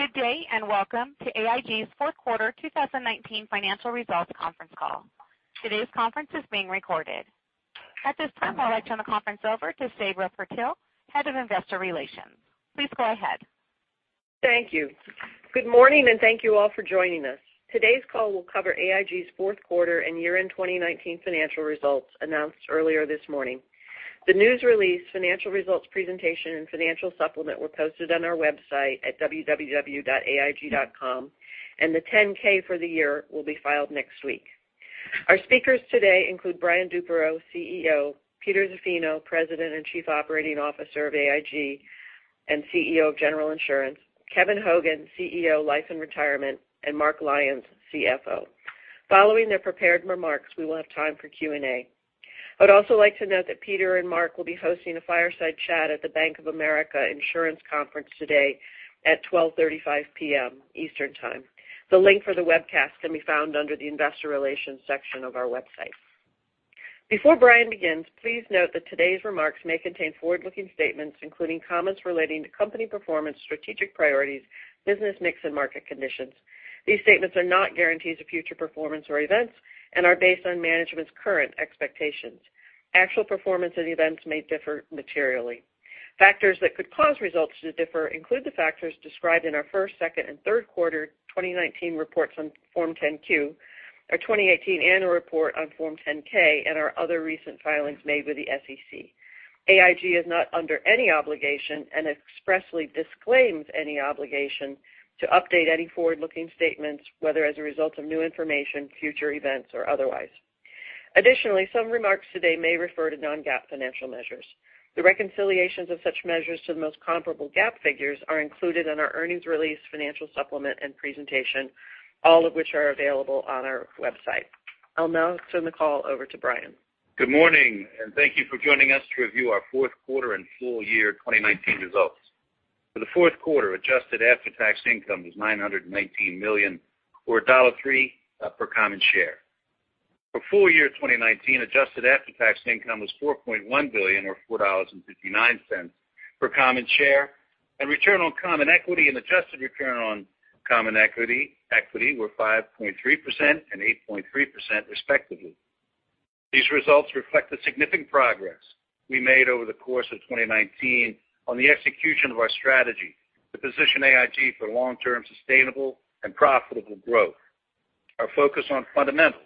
Good day, and welcome to AIG's fourth quarter 2019 financial results conference call. Today's conference is being recorded. At this time, I'll turn the conference over to Sabra Purtill, Head of Investor Relations. Please go ahead. Thank you. Good morning. Thank you all for joining us. Today's call will cover AIG's fourth quarter and year-end 2019 financial results announced earlier this morning. The news release, financial results presentation, and financial supplement were posted on our website at www.aig.com. The 10-K for the year will be filed next week. Our speakers today include Brian Duperrault, CEO; Peter Zaffino, President and Chief Operating Officer of AIG and CEO of General Insurance; Kevin Hogan, CEO, Life & Retirement; and Mark Lyons, CFO. Following their prepared remarks, we will have time for Q&A. I would also like to note that Peter and Mark will be hosting a fireside chat at the Bank of America insurance conference today at 12:35 P.M. Eastern Time. The link for the webcast can be found under the investor relations section of our website. Before Brian begins, please note that today's remarks may contain forward-looking statements, including comments relating to company performance, strategic priorities, business mix, and market conditions. These statements are not guarantees of future performance or events and are based on management's current expectations. Actual performance and events may differ materially. Factors that could cause results to differ include the factors described in our first, second, and third quarter 2019 reports on Form 10-Q, our 2018 annual report on Form 10-K, and our other recent filings made with the SEC. AIG is not under any obligation and expressly disclaims any obligation to update any forward-looking statements, whether as a result of new information, future events, or otherwise. Additionally, some remarks today may refer to non-GAAP financial measures. The reconciliations of such measures to the most comparable GAAP figures are included in our earnings release, financial supplement, and presentation, all of which are available on our website. I'll now turn the call over to Brian. Good morning. Thank you for joining us to review our fourth quarter and full year 2019 results. For the fourth quarter, adjusted after-tax income was $919 million, or $1.03 per common share. For full year 2019, adjusted after-tax income was $4.1 billion, or $4.59 per common share, and return on common equity and adjusted return on common equity were 5.3% and 8.3%, respectively. These results reflect the significant progress we made over the course of 2019 on the execution of our strategy to position AIG for long-term sustainable and profitable growth. Our focus on fundamentals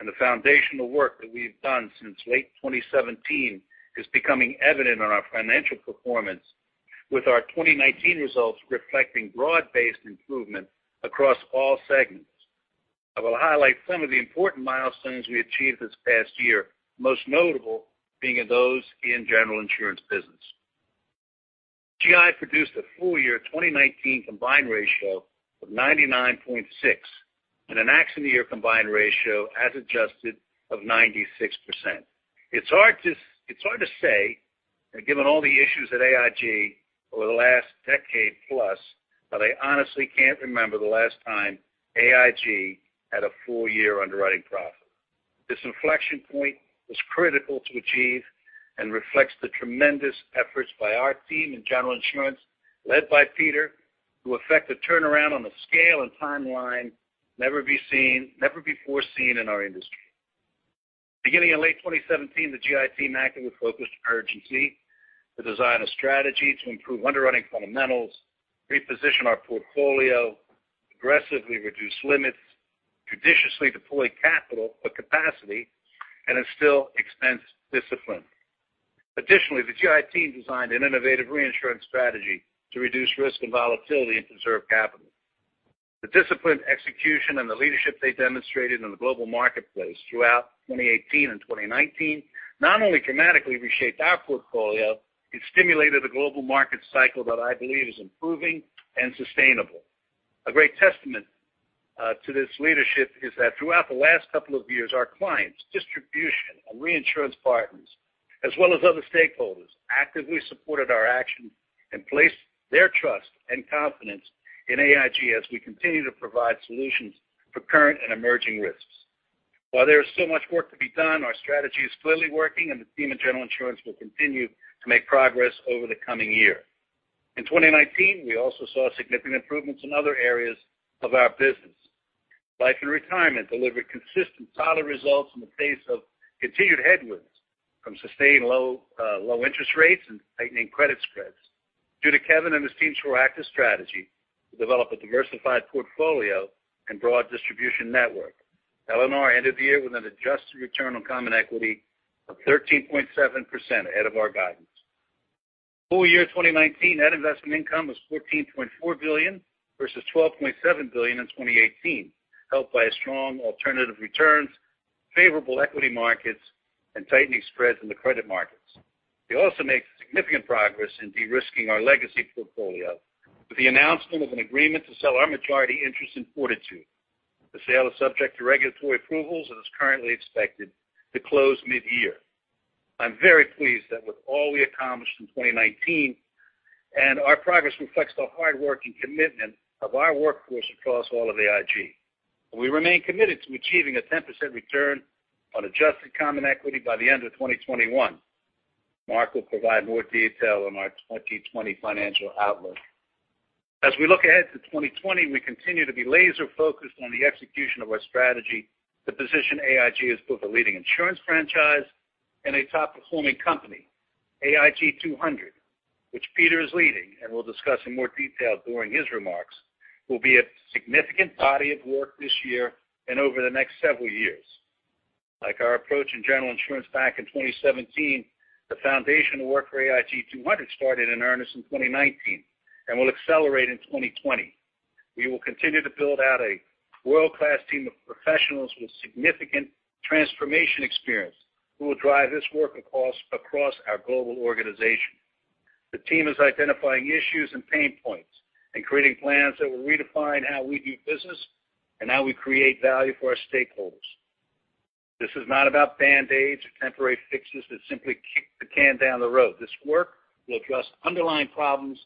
and the foundational work that we've done since late 2017 is becoming evident in our financial performance, with our 2019 results reflecting broad-based improvement across all segments. I will highlight some of the important milestones we achieved this past year, most notable being those in General Insurance business. GI produced a full-year 2019 combined ratio of 99.6% and an accident year combined ratio as adjusted of 96%. It's hard to say, given all the issues at AIG over the last decade plus, but I honestly can't remember the last time AIG had a full-year underwriting profit. This inflection point was critical to achieve and reflects the tremendous efforts by our team in General Insurance, led by Peter, to effect a turnaround on the scale and timeline never before seen in our industry. Beginning in late 2017, the GI team acted with focused urgency to design a strategy to improve underwriting fundamentals, reposition our portfolio, aggressively reduce limits, judiciously deploy capital for capacity, and instill expense discipline. Additionally, the GI team designed an innovative reinsurance strategy to reduce risk and volatility and conserve capital. The disciplined execution and the leadership they demonstrated in the global marketplace throughout 2018 and 2019 not only dramatically reshaped our portfolio, it stimulated a global market cycle that I believe is improving and sustainable. A great testament to this leadership is that throughout the last couple of years, our clients, distribution, and reinsurance partners, as well as other stakeholders, actively supported our action and placed their trust and confidence in AIG as we continue to provide solutions for current and emerging risks. While there is so much work to be done, our strategy is clearly working, and the team in General Insurance will continue to make progress over the coming year. In 2019, we also saw significant improvements in other areas of our business. Life & Retirement delivered consistent, solid results in the face of continued headwinds from sustained low interest rates and tightening credit spreads. Due to Kevin and his team's proactive strategy to develop a diversified portfolio and broad distribution network, L&R ended the year with an adjusted return on common equity of 13.7%, ahead of our guidance. Full year 2019, net investment income was $14.4 billion versus $12.7 billion in 2018, helped by strong alternative returns, favorable equity markets, and tightening spreads in the credit markets. We also made significant progress in de-risking our legacy portfolio with the announcement of an agreement to sell our majority interest in Fortitude. The sale is subject to regulatory approvals and is currently expected to close mid-year. I'm very pleased with all we accomplished in 2019, and our progress reflects the hard work and commitment of our workforce across all of AIG. We remain committed to achieving a 10% return on adjusted common equity by the end of 2021. Mark will provide more detail on our 2020 financial outlook. As we look ahead to 2020, we continue to be laser-focused on the execution of our strategy to position AIG as both a leading insurance franchise and a top-performing company. AIG 200, which Peter is leading and will discuss in more detail during his remarks, will be a significant body of work this year and over the next several years. Like our approach in General Insurance back in 2017, the foundation work for AIG 200 started in earnest in 2019 and will accelerate in 2020. We will continue to build out a world-class team of professionals with significant transformation experience who will drive this work across our global organization. The team is identifying issues and pain points and creating plans that will redefine how we do business and how we create value for our stakeholders. This is not about band-aids or temporary fixes that simply kick the can down the road. This work will address underlying problems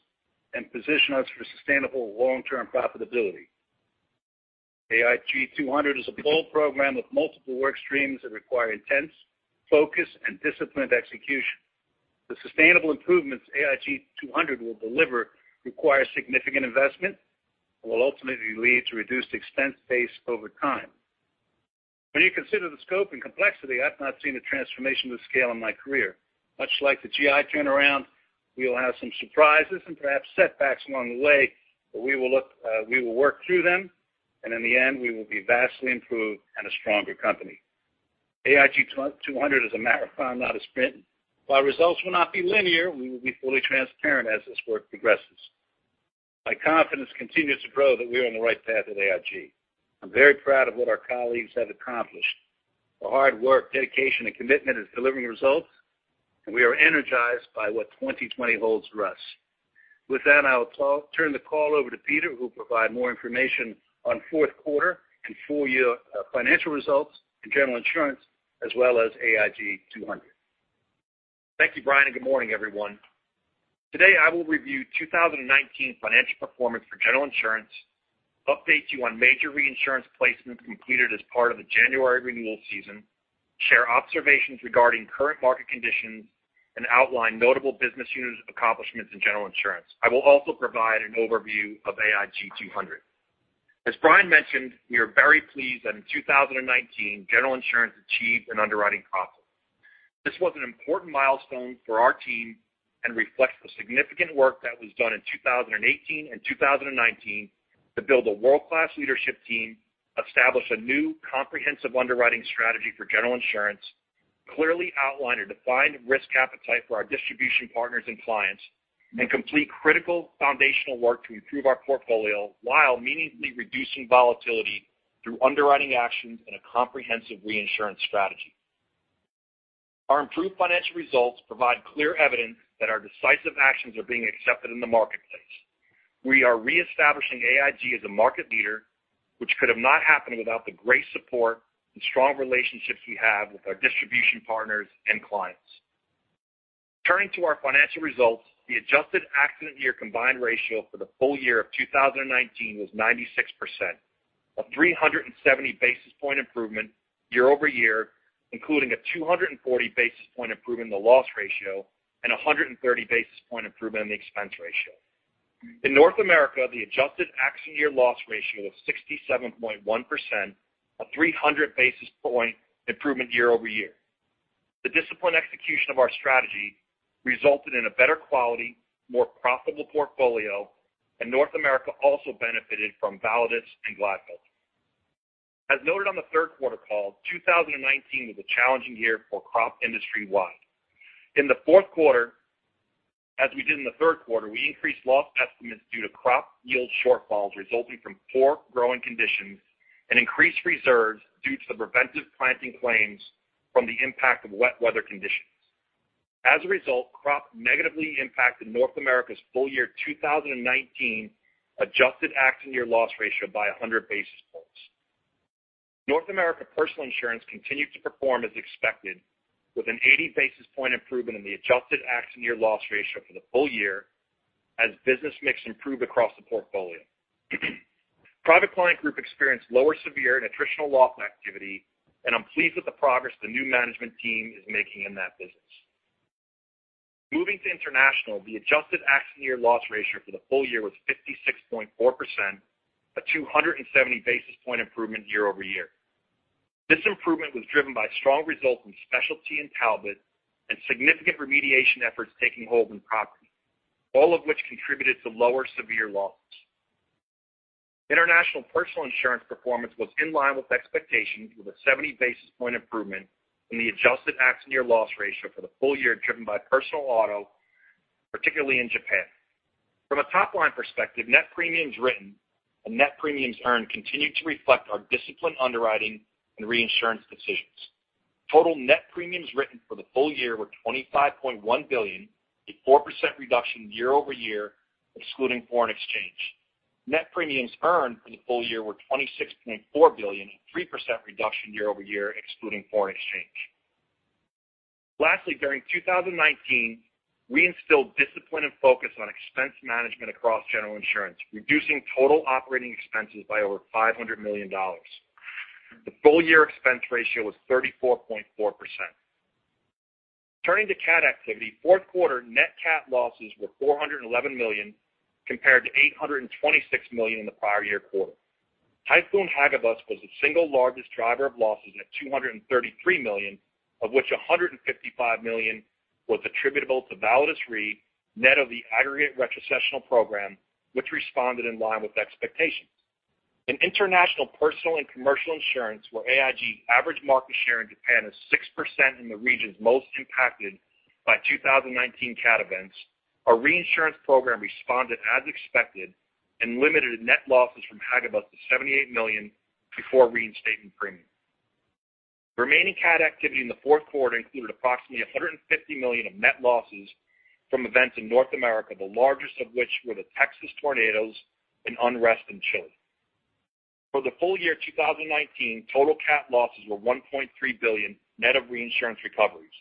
and position us for sustainable long-term profitability. AIG 200 is a bold program with multiple work streams that require intense focus and disciplined execution. The sustainable improvements AIG 200 will deliver require significant investment and will ultimately lead to reduced expense base over time. When you consider the scope and complexity, I've not seen a transformation of this scale in my career. Much like the GI turnaround, we will have some surprises and perhaps setbacks along the way, but we will work through them, and in the end, we will be vastly improved and a stronger company. AIG 200 is a marathon, not a sprint. While results will not be linear, we will be fully transparent as this work progresses. My confidence continues to grow that we are on the right path at AIG. I'm very proud of what our colleagues have accomplished. The hard work, dedication, and commitment is delivering results, and we are energized by what 2020 holds for us. With that, I will turn the call over to Peter, who will provide more information on fourth quarter and full-year financial results in General Insurance, as well as AIG 200. Thank you, Brian, and good morning, everyone. Today, I will review 2019 financial performance for General Insurance, update you on major reinsurance placements completed as part of the January renewal season, share observations regarding current market conditions, and outline notable business unit accomplishments in General Insurance. I will also provide an overview of AIG 200. As Brian mentioned, we are very pleased that in 2019, General Insurance achieved an underwriting profit. This was an important milestone for our team and reflects the significant work that was done in 2018 and 2019 to build a world-class leadership team, establish a new comprehensive underwriting strategy for General Insurance, clearly outline a defined risk appetite for our distribution partners and clients, and complete critical foundational work to improve our portfolio while meaningfully reducing volatility through underwriting actions and a comprehensive reinsurance strategy. Our improved financial results provide clear evidence that our decisive actions are being accepted in the marketplace. We are reestablishing AIG as a market leader, which could have not happened without the great support and strong relationships we have with our distribution partners and clients. Turning to our financial results, the adjusted accident year combined ratio for the full year of 2019 was 96%, a 370 basis point improvement year-over-year, including a 240 basis point improvement in the loss ratio and 130 basis point improvement in the expense ratio. In North America, the adjusted accident year loss ratio was 67.1%, a 300 basis point improvement year-over-year. The disciplined execution of our strategy resulted in a better quality, more profitable portfolio. North America also benefited from Validus and Glatfelter. As noted on the third quarter call, 2019 was a challenging year for crop industry-wide. In the fourth quarter, as we did in the third quarter, we increased loss estimates due to crop yield shortfalls resulting from poor growing conditions and increased reserves due to the preventive planting claims from the impact of wet weather conditions. As a result, crop negatively impacted North America's full-year 2019 adjusted accident year loss ratio by 100 basis points. North America Personal Insurance continued to perform as expected with an 80 basis point improvement in the adjusted accident year loss ratio for the full year as business mix improved across the portfolio. Private Client Group experienced lower severe and attritional loss activity. I'm pleased with the progress the new management team is making in that business. Moving to International, the adjusted accident year loss ratio for the full year was 56.4%, a 270 basis point improvement year-over-year. This improvement was driven by strong results from Specialty and Talbot. Significant remediation efforts taking hold in property, all of which contributed to lower severe loss. International Personal Insurance performance was in line with expectations, with a 70 basis point improvement in the adjusted accident year loss ratio for the full year driven by personal auto, particularly in Japan. From a top-line perspective, net premiums written and net premiums earned continued to reflect our disciplined underwriting and reinsurance decisions. Total net premiums written for the full year were $25.1 billion, a 4% reduction year-over-year, excluding foreign exchange. Net premiums earned for the full year were $26.4 billion, a 3% reduction year-over-year, excluding foreign exchange. Lastly, during 2019, we instilled discipline and focus on expense management across General Insurance, reducing total operating expenses by over $500 million. The full-year expense ratio was 34.4%. Turning to CAT activity, fourth quarter net CAT losses were $411 million, compared to $826 million in the prior year quarter. Typhoon Hagibis was the single largest driver of losses at $233 million, of which $155 million was attributable to Validus Re, net of the aggregate retrocessional program, which responded in line with expectations. In international personal and commercial insurance, where AIG average market share in Japan is 6% in the regions most impacted by 2019 CAT events, our reinsurance program responded as expected and limited net losses from Hagibis to $78 million before reinstatement premium. Remaining CAT activity in the fourth quarter included approximately $150 million of net losses from events in North America, the largest of which were the Texas tornadoes and unrest in Chile. For the full year 2019, total CAT losses were $1.3 billion, net of reinsurance recoveries.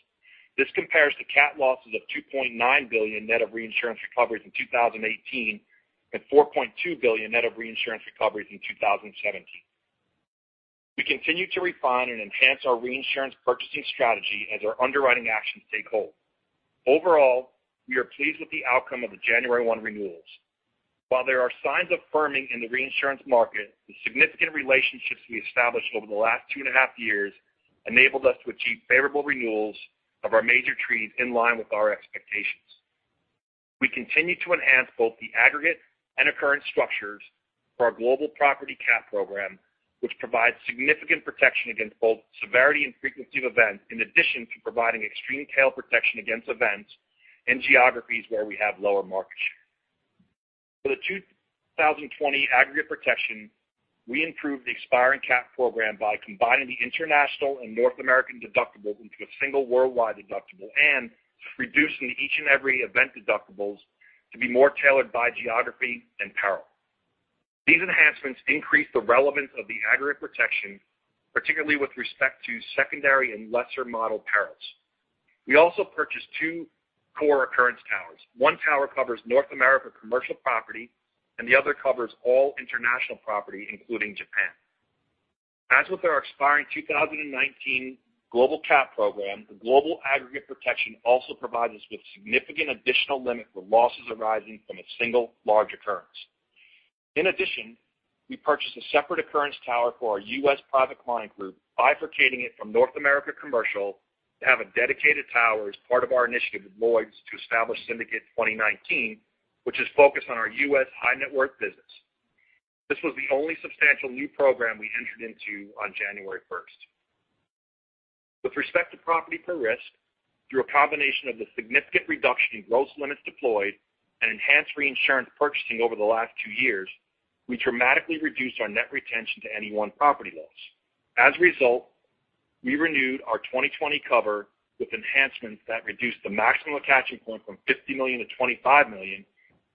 This compares to CAT losses of $2.9 billion net of reinsurance recoveries in 2018, and $4.2 billion net of reinsurance recoveries in 2017. We continue to refine and enhance our reinsurance purchasing strategy as our underwriting actions take hold. Overall, we are pleased with the outcome of the January 1 renewals. While there are signs of firming in the reinsurance market, the significant relationships we established over the last two and a half years enabled us to achieve favorable renewals of our major treaties in line with our expectations. We continue to enhance both the aggregate and occurrence structures for our global property CAT program, which provides significant protection against both severity and frequency of events, in addition to providing extreme tail protection against events in geographies where we have lower market share. For the 2020 aggregate protection, we improved the expiring CAT program by combining the international and North American deductible into a single worldwide deductible and reducing each and every event deductibles to be more tailored by geography and peril. These enhancements increase the relevance of the aggregate protection, particularly with respect to secondary and lesser modeled perils. We also purchased two core occurrence towers. One tower covers North America commercial property, and the other covers all international property, including Japan. As with our expiring 2019 global CAT program, the global aggregate protection also provides us with significant additional limit for losses arising from a single large occurrence. In addition, we purchased a separate occurrence tower for our U.S. Private Client Group, bifurcating it from North America commercial to have a dedicated tower as part of our initiative with Lloyd's to establish Syndicate 2019, which is focused on our U.S. high net worth business. This was the only substantial new program we entered into on January 1st. With respect to property per risk, through a combination of the significant reduction in gross limits deployed and enhanced reinsurance purchasing over the last two years, we dramatically reduced our net retention to any one property loss. As a result, we renewed our 2020 cover with enhancements that reduced the maximum attaching point from $50 million to $25 million,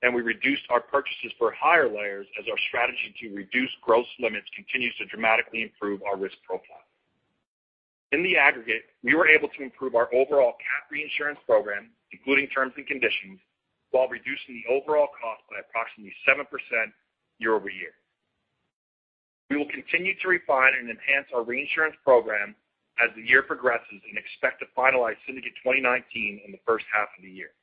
and we reduced our purchases for higher layers as our strategy to reduce gross limits continues to dramatically improve our risk profile. In the aggregate, we were able to improve our overall CAT reinsurance program, including terms and conditions, while reducing the overall cost by approximately 7% year-over-year. We will continue to refine and enhance our reinsurance program as the year progresses and expect to finalize Syndicate 2019 in the first half of the year.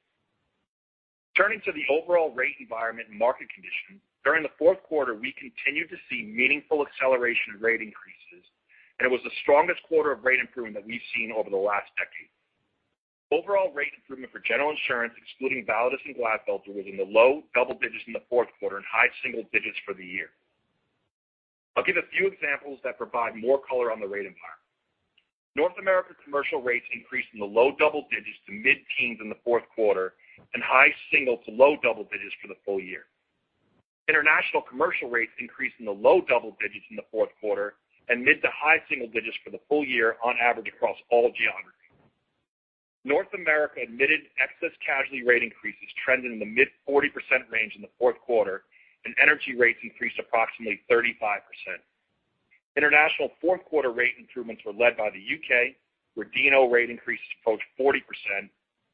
Turning to the overall rate environment and market condition, during the fourth quarter, we continued to see meaningful acceleration in rate increases, and it was the strongest quarter of rate improvement that we've seen over the last decade. Overall rate improvement for General Insurance, excluding Validus and Glatfelter, was in the low double digits in the fourth quarter and high single digits for the year. I'll give a few examples that provide more color on the rate environment. North America commercial rates increased in the low double digits to mid-teens in the fourth quarter and high single to low double digits for the full year. International commercial rates increased in the low double digits in the fourth quarter and mid to high single digits for the full year on average across all geographies. North America admitted excess casualty rate increases trending in the mid 40% range in the fourth quarter, and energy rates increased approximately 35%. International fourth quarter rate improvements were led by the U.K., where D&O rate increases approached 40%,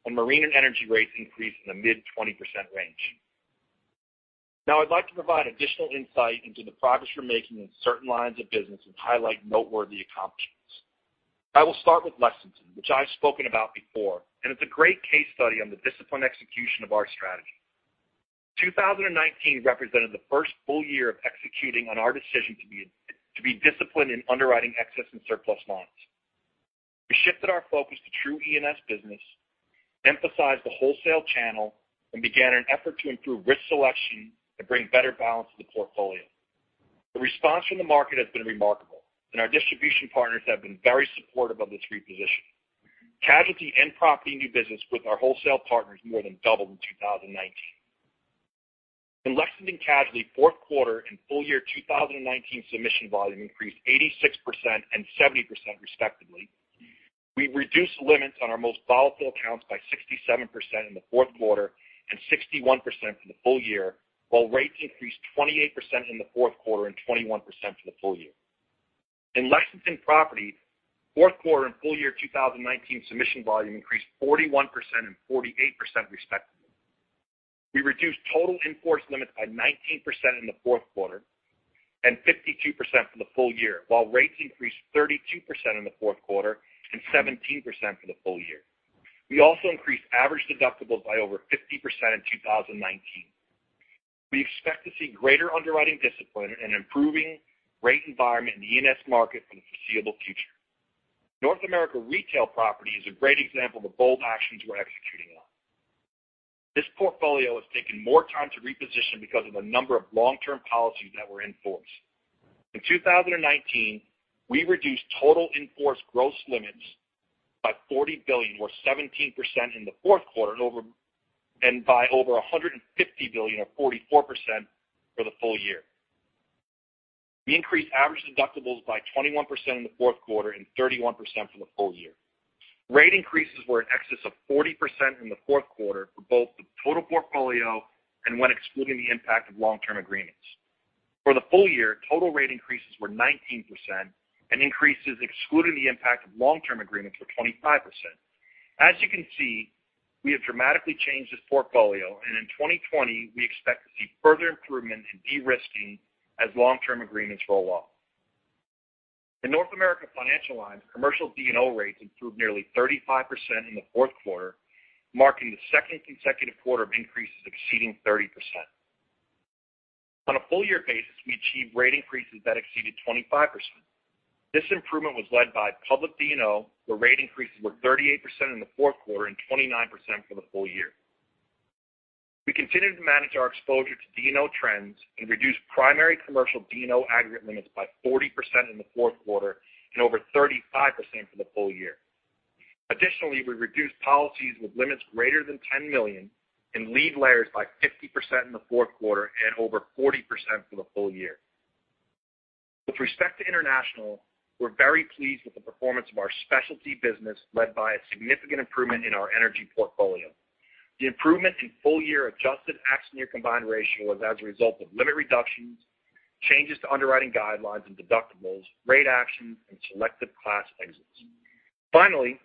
and marine and energy rates increased in the mid 20% range. I'd like to provide additional insight into the progress we're making in certain lines of business and highlight noteworthy accomplishments. I will start with Lexington, which I've spoken about before, and it's a great case study on the disciplined execution of our strategy. 2019 represented the first full year of executing on our decision to be disciplined in underwriting excess and surplus lines. We shifted our focus to true E&S business, emphasized the wholesale channel, and began an effort to improve risk selection and bring better balance to the portfolio. The response from the market has been remarkable, and our distribution partners have been very supportive of this repositioning. Casualty and property new business with our wholesale partners more than doubled in 2019. In Lexington Casualty, fourth quarter and full year 2019 submission volume increased 86% and 70%, respectively. We reduced limits on our most volatile accounts by 67% in the fourth quarter and 61% for the full year, while rates increased 28% in the fourth quarter and 21% for the full year. In Lexington Property, fourth quarter and full year 2019 submission volume increased 41% and 48%, respectively. We reduced total in-force limits by 19% in the fourth quarter and 52% for the full year, while rates increased 32% in the fourth quarter and 17% for the full year. We also increased average deductibles by over 50% in 2019. We expect to see greater underwriting discipline and improving rate environment in the E&S market for the foreseeable future. North America Retail Property is a great example of the bold actions we're executing on. This portfolio has taken more time to reposition because of a number of long-term policies that were in force. In 2019, we reduced total in-force gross limits by $40 billion, or 17%, in the fourth quarter, and by over $150 billion, or 44%, for the full year. We increased average deductibles by 21% in the fourth quarter and 31% for the full year. Rate increases were in excess of 40% in the fourth quarter for both the total portfolio and when excluding the impact of long-term agreements. For the full year, total rate increases were 19% and increases excluding the impact of long-term agreements were 25%. As you can see, we have dramatically changed this portfolio, and in 2020, we expect to see further improvement in de-risking as long-term agreements roll off. In North America Financial Lines, commercial D&O rates improved nearly 35% in the fourth quarter, marking the second consecutive quarter of increases exceeding 30%. On a full-year basis, we achieved rate increases that exceeded 25%. This improvement was led by public D&O, where rate increases were 38% in the fourth quarter and 29% for the full year. We continue to manage our exposure to D&O trends and reduce primary commercial D&O aggregate limits by 40% in the fourth quarter and over 35% for the full year. Additionally, we reduced policies with limits greater than $10 million in lead layers by 50% in the fourth quarter and over 40% for the full year. With respect to international, we're very pleased with the performance of our specialty business, led by a significant improvement in our energy portfolio. The improvement in full-year adjusted accident year combined ratio was as a result of limit reductions, changes to underwriting guidelines and deductibles, rate actions, and selective class exits. Finally,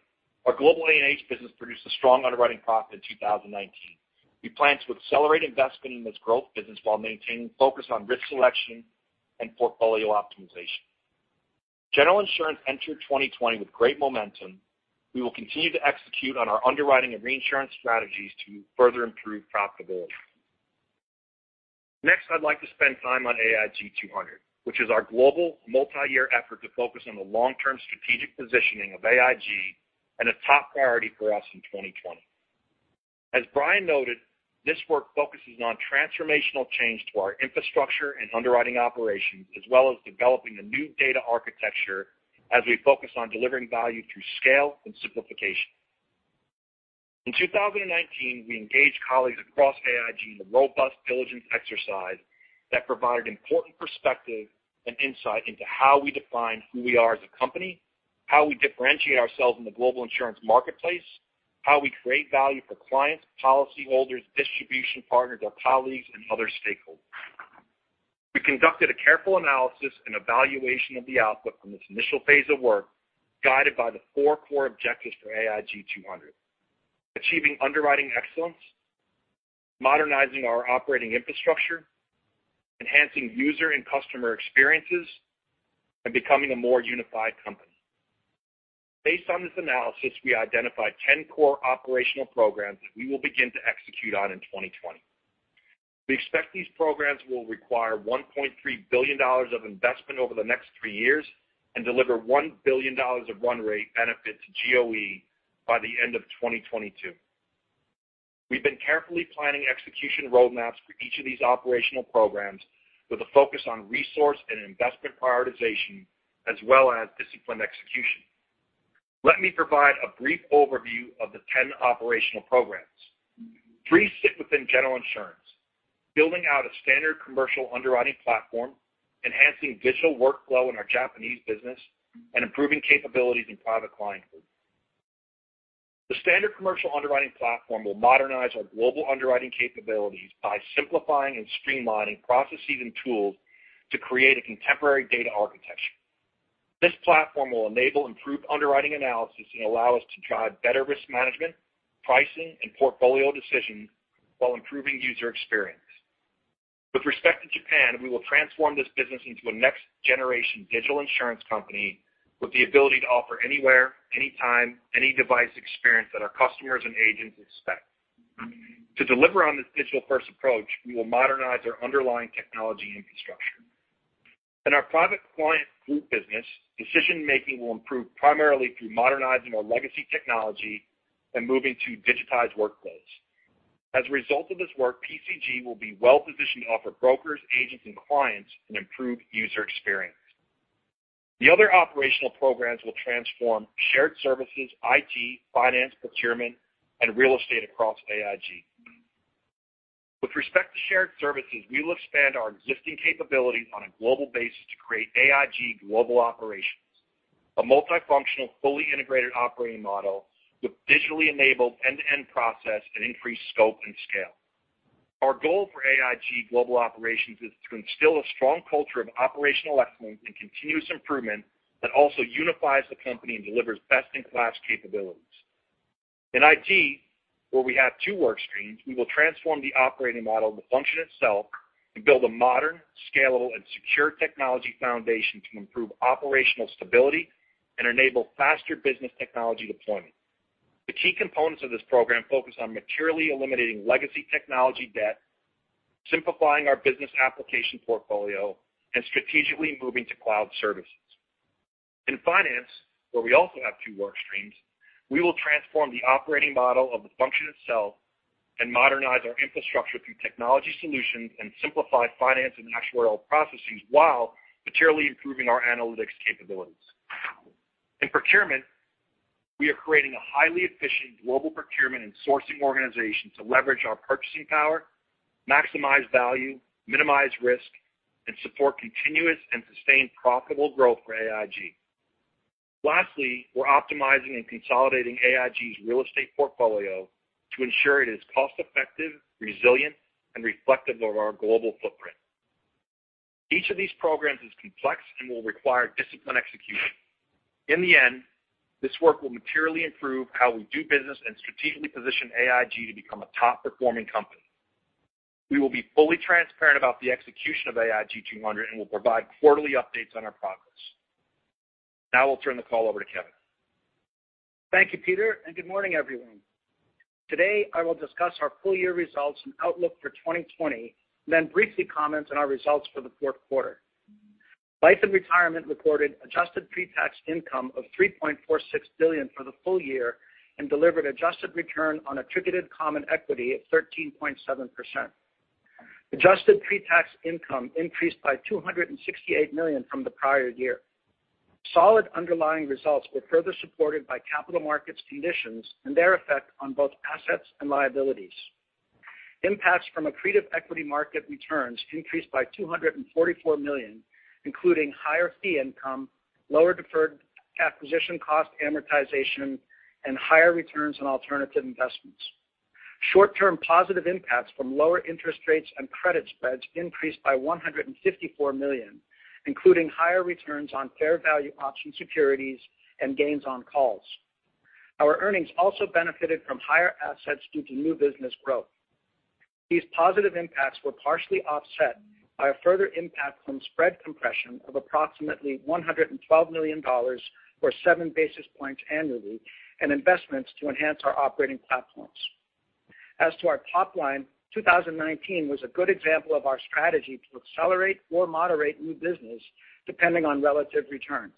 our global A&H business produced a strong underwriting profit in 2019. We plan to accelerate investment in this growth business while maintaining focus on risk selection and portfolio optimization. General Insurance entered 2020 with great momentum. We will continue to execute on our underwriting and reinsurance strategies to further improve profitability. Next, I'd like to spend time on AIG 200, which is our global multi-year effort to focus on the long-term strategic positioning of AIG and a top priority for us in 2020. As Brian noted, this work focuses on transformational change to our infrastructure and underwriting operations, as well as developing a new data architecture as we focus on delivering value through scale and simplification. In 2019, we engaged colleagues across AIG in a robust diligence exercise that provided important perspective and insight into how we define who we are as a company, how we differentiate ourselves in the global insurance marketplace, how we create value for clients, policyholders, distribution partners, our colleagues, and other stakeholders. We conducted a careful analysis and evaluation of the output from this initial phase of work, guided by the four core objectives for AIG 200. Achieving underwriting excellence, modernizing our operating infrastructure, enhancing user and customer experiences, and becoming a more unified company. Based on this analysis, we identified 10 core operational programs that we will begin to execute on in 2020. We expect these programs will require $1.3 billion of investment over the next three years and deliver $1 billion of run rate benefit to GOE by the end of 2022. We've been carefully planning execution roadmaps for each of these operational programs with a focus on resource and investment prioritization, as well as disciplined execution. Let me provide a brief overview of the 10 operational programs. Three sit within General Insurance. Building out a standard commercial underwriting platform, enhancing digital workflow in our Japanese business, and improving capabilities in Private Client Group. The standard commercial underwriting platform will modernize our global underwriting capabilities by simplifying and streamlining processes and tools to create a contemporary data architecture. This platform will enable improved underwriting analysis and allow us to drive better risk management, pricing, and portfolio decisions while improving user experience. With respect to Japan, we will transform this business into a next-generation digital insurance company with the ability to offer anywhere, anytime, any device experience that our customers and agents expect. To deliver on this digital-first approach, we will modernize our underlying technology infrastructure. In our Private Client Group business, decision-making will improve primarily through modernizing our legacy technology and moving to digitized workflows. As a result of this work, PCG will be well-positioned to offer brokers, agents, and clients an improved user experience. The other operational programs will transform shared services, IT, finance, procurement, and real estate across AIG. With respect to shared services, we will expand our existing capabilities on a global basis to create AIG Global Operations, a multifunctional, fully integrated operating model with digitally enabled end-to-end process and increased scope and scale. Our goal for AIG Global Operations is to instill a strong culture of operational excellence and continuous improvement that also unifies the company and delivers best-in-class capabilities. In IT, where we have two work streams, we will transform the operating model of the function itself and build a modern, scalable, and secure technology foundation to improve operational stability and enable faster business technology deployment. The key components of this program focus on materially eliminating legacy technology debt, simplifying our business application portfolio, and strategically moving to cloud services. In finance, where we also have two work streams, we will transform the operating model of the function itself and modernize our infrastructure through technology solutions and simplify finance and actuarial processes while materially improving our analytics capabilities. In procurement, we are creating a highly efficient global procurement and sourcing organization to leverage our purchasing power, maximize value, minimize risk, and support continuous and sustained profitable growth for AIG. We're optimizing and consolidating AIG's real estate portfolio to ensure it is cost-effective, resilient, and reflective of our global footprint. Each of these programs is complex and will require disciplined execution. In the end, this work will materially improve how we do business and strategically position AIG to become a top-performing company. We will be fully transparent about the execution of AIG 200 and will provide quarterly updates on our progress. I'll turn the call over to Kevin. Thank you, Peter, and good morning, everyone. Today, I will discuss our full-year results and outlook for 2020, and then briefly comment on our results for the fourth quarter. Life & Retirement reported adjusted pre-tax income of $3.46 billion for the full year and delivered adjusted return on attributed common equity at 13.7%. Adjusted pre-tax income increased by $268 million from the prior year. Solid underlying results were further supported by capital markets conditions and their effect on both assets and liabilities. Impacts from accretive equity market returns increased by $244 million, including higher fee income, lower deferred acquisition cost amortization, and higher returns on alternative investments. Short-term positive impacts from lower interest rates and credit spreads increased by $154 million, including higher returns on fair value option securities and gains on calls. Our earnings also benefited from higher assets due to new business growth. These positive impacts were partially offset by a further impact from spread compression of approximately $112 million, or seven basis points annually, and investments to enhance our operating platforms. As to our top line, 2019 was a good example of our strategy to accelerate or moderate new business, depending on relative returns.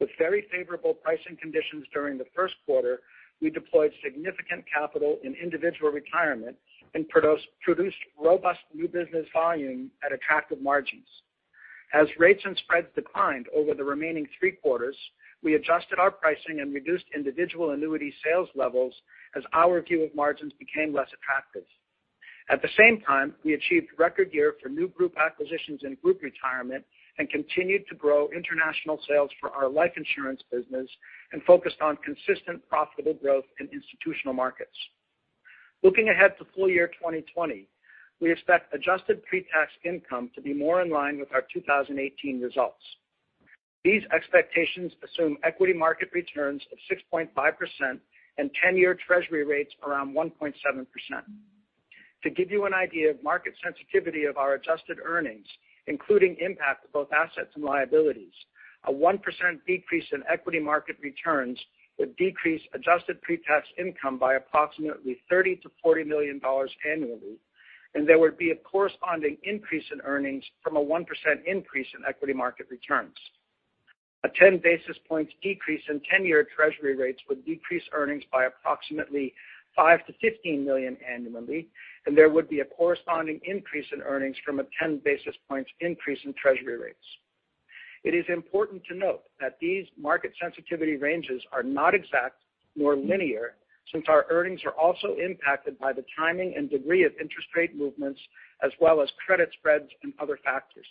With very favorable pricing conditions during the first quarter, we deployed significant capital in individual retirement and produced robust new business volume at attractive margins. As rates and spreads declined over the remaining three quarters, we adjusted our pricing and reduced individual annuity sales levels as our view of margins became less attractive. At the same time, we achieved record year for new group acquisitions and group retirement and continued to grow international sales for our life insurance business and focused on consistent profitable growth in institutional markets. Looking ahead to full year 2020, we expect adjusted pre-tax income to be more in line with our 2018 results. These expectations assume equity market returns of 6.5% and 10-year treasury rates around 1.7%. To give you an idea of market sensitivity of our adjusted earnings, including impact of both assets and liabilities, a 1% decrease in equity market returns would decrease adjusted pre-tax income by approximately $30 million-$40 million annually, and there would be a corresponding increase in earnings from a 1% increase in equity market returns. A 10 basis points decrease in 10-year treasury rates would decrease earnings by approximately $5 million-$15 million annually, and there would be a corresponding increase in earnings from a 10 basis points increase in treasury rates. It is important to note that these market sensitivity ranges are not exact nor linear, since our earnings are also impacted by the timing and degree of interest rate movements as well as credit spreads and other factors.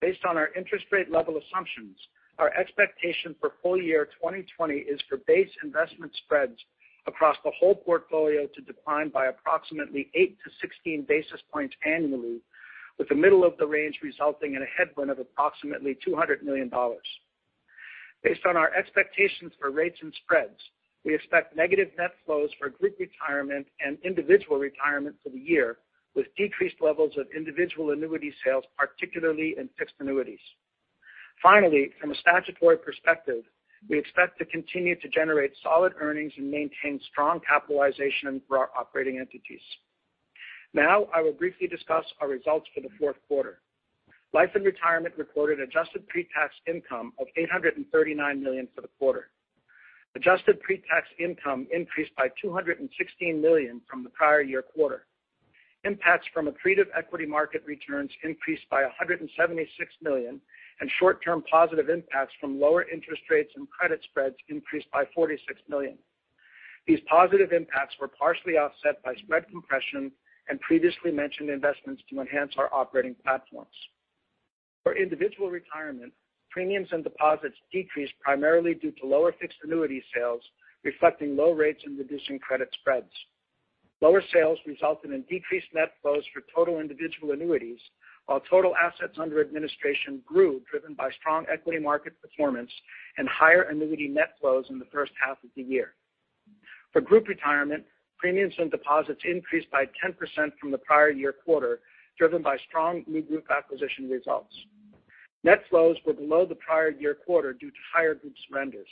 Based on our interest rate level assumptions, our expectation for full year 2020 is for base investment spreads across the whole portfolio to decline by approximately eight to 16 basis points annually, with the middle of the range resulting in a headwind of approximately $200 million. Based on our expectations for rates and spreads, we expect negative net flows for group retirement and individual retirement for the year, with decreased levels of individual annuity sales, particularly in fixed annuities. Finally, from a statutory perspective, we expect to continue to generate solid earnings and maintain strong capitalization for our operating entities. I will briefly discuss our results for the fourth quarter. Life & Retirement reported adjusted pre-tax income of $839 million for the quarter. Adjusted pre-tax income increased by $216 million from the prior year quarter. Impacts from accretive equity market returns increased by $176 million, and short-term positive impacts from lower interest rates and credit spreads increased by $46 million. These positive impacts were partially offset by spread compression and previously mentioned investments to enhance our operating platforms. For individual retirement, premiums and deposits decreased primarily due to lower fixed annuity sales, reflecting low rates and reducing credit spreads. Lower sales resulted in decreased net flows for total individual annuities, while total assets under administration grew, driven by strong equity market performance and higher annuity net flows in the first half of the year. For group retirement, premiums and deposits increased by 10% from the prior year quarter, driven by strong new group acquisition results. Net flows were below the prior year quarter due to higher group surrenders.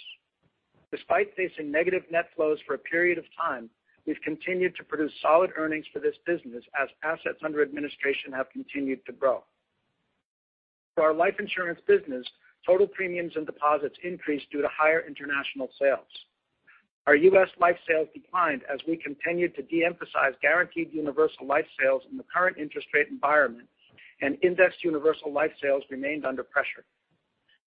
Despite facing negative net flows for a period of time, we've continued to produce solid earnings for this business as assets under administration have continued to grow. For our life insurance business, total premiums and deposits increased due to higher international sales. Our U.S. life sales declined as we continued to de-emphasize guaranteed universal life sales in the current interest rate environment, and indexed universal life sales remained under pressure.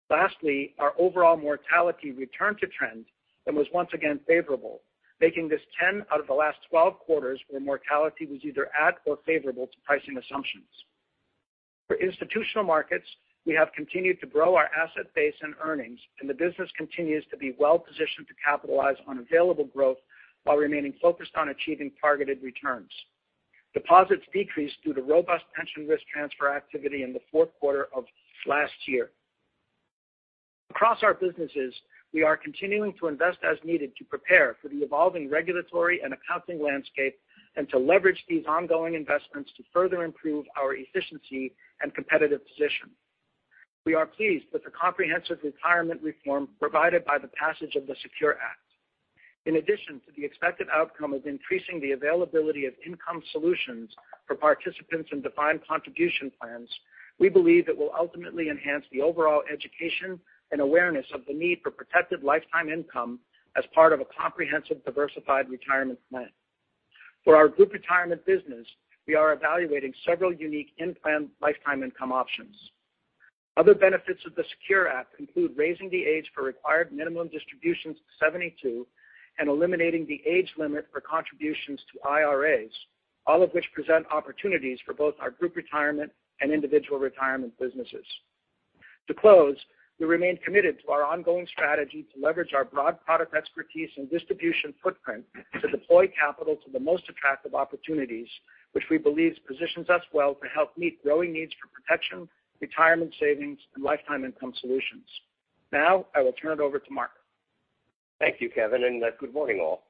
Lastly, our overall mortality returned to trend and was once again favorable, making this 10 out of the last 12 quarters where mortality was either at or favorable to pricing assumptions. For institutional markets, we have continued to grow our asset base and earnings, and the business continues to be well-positioned to capitalize on available growth while remaining focused on achieving targeted returns. Deposits decreased due to robust pension risk transfer activity in the fourth quarter of last year. Across our businesses, we are continuing to invest as needed to prepare for the evolving regulatory and accounting landscape and to leverage these ongoing investments to further improve our efficiency and competitive position. We are pleased with the comprehensive retirement reform provided by the passage of the SECURE Act. In addition to the expected outcome of increasing the availability of income solutions for participants in defined contribution plans, we believe it will ultimately enhance the overall education and awareness of the need for protected lifetime income as part of a comprehensive, diversified retirement plan. For our group retirement business, we are evaluating several unique in-plan lifetime income options. Other benefits of the SECURE Act include raising the age for required minimum distributions to 72 and eliminating the age limit for contributions to IRAs, all of which present opportunities for both our group retirement and individual retirement businesses. To close, we remain committed to our ongoing strategy to leverage our broad product expertise and distribution footprint to deploy capital to the most attractive opportunities, which we believe positions us well to help meet growing needs for protection, retirement savings, and lifetime income solutions. Now, I will turn it over to Mark. Thank you, Kevin, good morning all.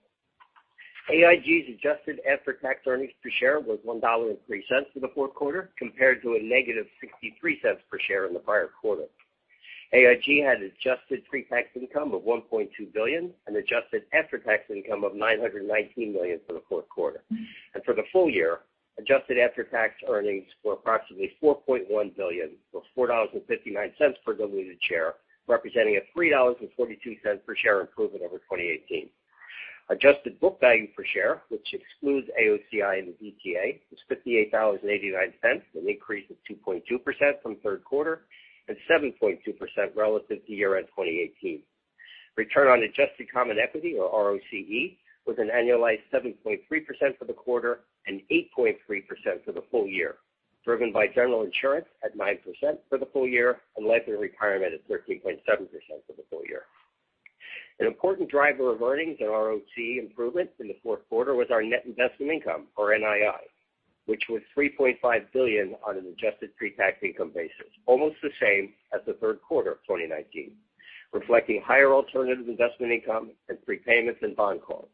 AIG's adjusted after-tax earnings per share was $1.03 for the fourth quarter compared to a negative $0.63 per share in the prior quarter. AIG had adjusted pre-tax income of $1.2 billion and adjusted after-tax income of $919 million for the fourth quarter. For the full year, adjusted after-tax earnings were approximately $4.1 billion, or $4.59 per diluted share, representing a $3.42 per share improvement over 2018. Adjusted book value per share, which excludes AOCI and the DTA, was $58.89, an increase of 2.2% from third quarter and 7.2% relative to year-end 2018. Return on adjusted common equity or ROCE was an annualized 7.3% for the quarter and 8.3% for the full year, driven by General Insurance at 9% for the full year and Life & Retirement at 13.7% for the full year. An important driver of earnings and ROC improvement in the fourth quarter was our net investment income, or NII, which was $3.5 billion on an adjusted pre-tax income basis, almost the same as the third quarter of 2019, reflecting higher alternative investment income and prepayments in bond calls.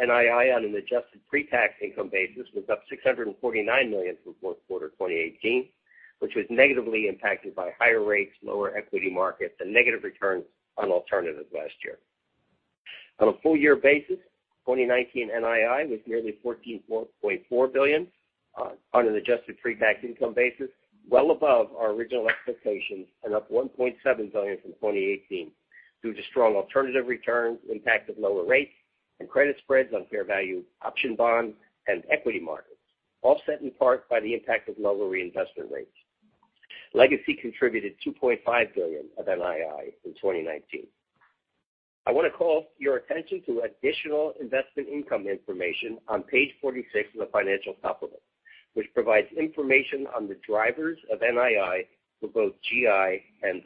NII on an adjusted pre-tax income basis was up $649 million from fourth quarter 2018, which was negatively impacted by higher rates, lower equity markets, and negative returns on alternatives last year. On a full year basis, 2019 NII was nearly $14.4 billion on an adjusted pre-tax income basis, well above our original expectations and up $1.7 billion from 2018 due to strong alternative returns, the impact of lower rates and credit spreads on fair value option bonds and equity markets, offset in part by the impact of lower reinvestment rates. Legacy contributed $2.5 billion of NII in 2019. I want to call your attention to additional investment income information on page 46 of the financial supplement, which provides information on the drivers of NII for both GI and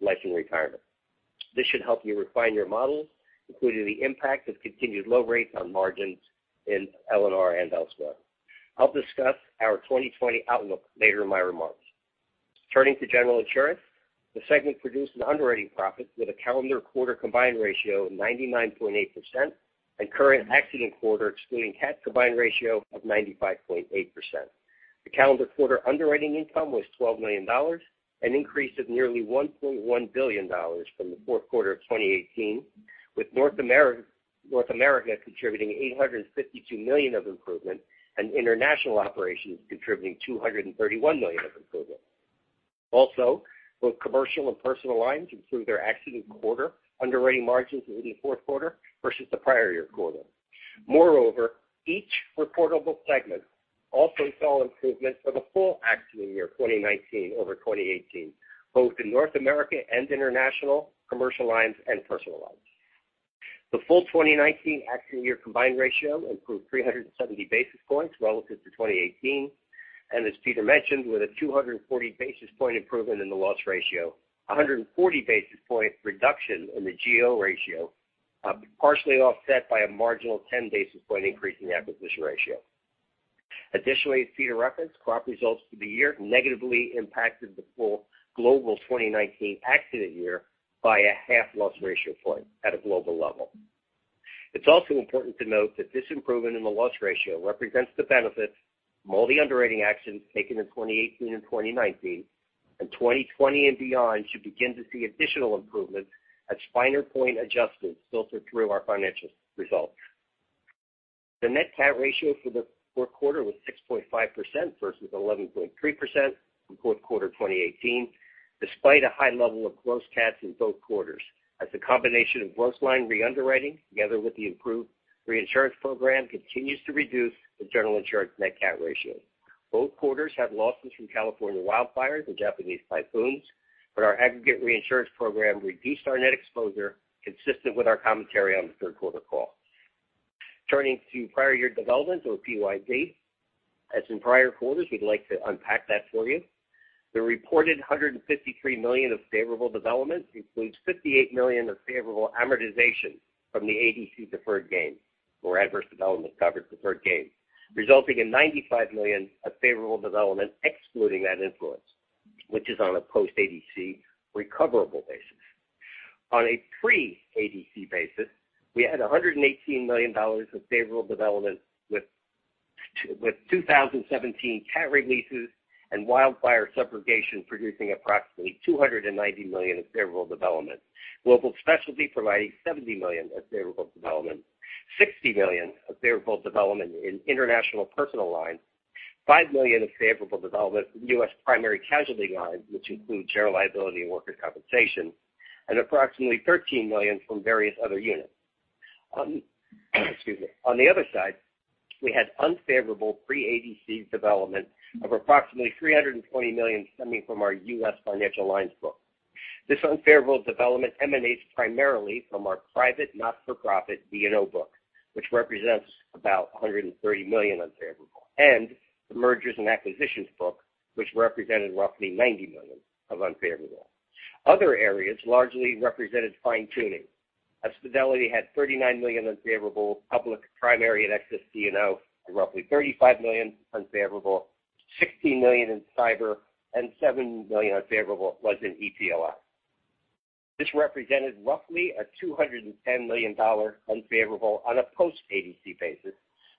Life & Retirement. This should help you refine your models, including the impact of continued low rates on margins in L&R and elsewhere. I'll discuss our 2020 outlook later in my remarks. Turning to General Insurance, the segment produced an underwriting profit with a calendar quarter combined ratio of 99.8% and current accident quarter excluding CAT combined ratio of 95.8%. The calendar quarter underwriting income was $12 million, an increase of nearly $1.1 billion from the fourth quarter of 2018, with North America contributing $852 million of improvement and International Operations contributing $231 million of improvement. Both commercial and personal lines improved their accident quarter underwriting margins in the fourth quarter versus the prior year quarter. Each reportable segment also saw improvement for the full accident year 2019 over 2018, both in North America and International, Commercial Lines, and Personal Lines. The full 2019 accident year combined ratio improved 370 basis points relative to 2018. As Peter mentioned, with a 240 basis point improvement in the loss ratio, 140 basis point reduction in the GOE ratio, partially offset by a marginal 10 basis point increase in the acquisition ratio. As Peter referenced, crop results for the year negatively impacted the full global 2019 accident year by a half loss ratio point at a global level. It's also important to note that this improvement in the loss ratio represents the benefits from all the underwriting actions taken in 2018 and 2019, and 2020 and beyond should begin to see additional improvements as finer point adjustments filter through our financial results. The net CAT ratio for the fourth quarter was 6.5% versus 11.3% from fourth quarter 2018, despite a high level of close CATs in both quarters as a combination of gross line re-underwriting together with the improved reinsurance program continues to reduce the General Insurance net CAT ratio. Both quarters had losses from California wildfires and Japanese typhoons, but our aggregate reinsurance program reduced our net exposure consistent with our commentary on the third quarter call. Turning to prior year development, or PYD, as in prior quarters, we'd like to unpack that for you. The reported $153 million of favorable development includes $58 million of favorable amortization from the ADC deferred gain, or adverse development cover deferred gain, resulting in $95 million of favorable development excluding that influence, which is on a post-ADC recoverable basis. On a pre-ADC basis, we had $118 million of favorable development with 2017 CAT releases and wildfire subrogation producing approximately $290 million of favorable development. Global Specialty providing $70 million of favorable development, $60 million of favorable development in international personal lines, five million of favorable development in U.S. primary casualty lines, which include general liability and worker compensation, and approximately $13 million from various other units. Excuse me. On the other side, we had unfavorable pre-ADC development of approximately $320 million stemming from our U.S. Financial Lines book. This unfavorable development emanates primarily from our private not-for-profit D&O book, which represents about $130 million unfavorable, and the mergers and acquisitions book, which represented roughly $90 million of unfavorable. Other areas largely represented fine-tuning. Fidelity had $39 million unfavorable, public, primary, and excess D&O had roughly $35 million unfavorable, $16 million in cyber, and seven million unfavorable was in EPLI. This represented roughly a $210 million unfavorable on a post-ADC basis,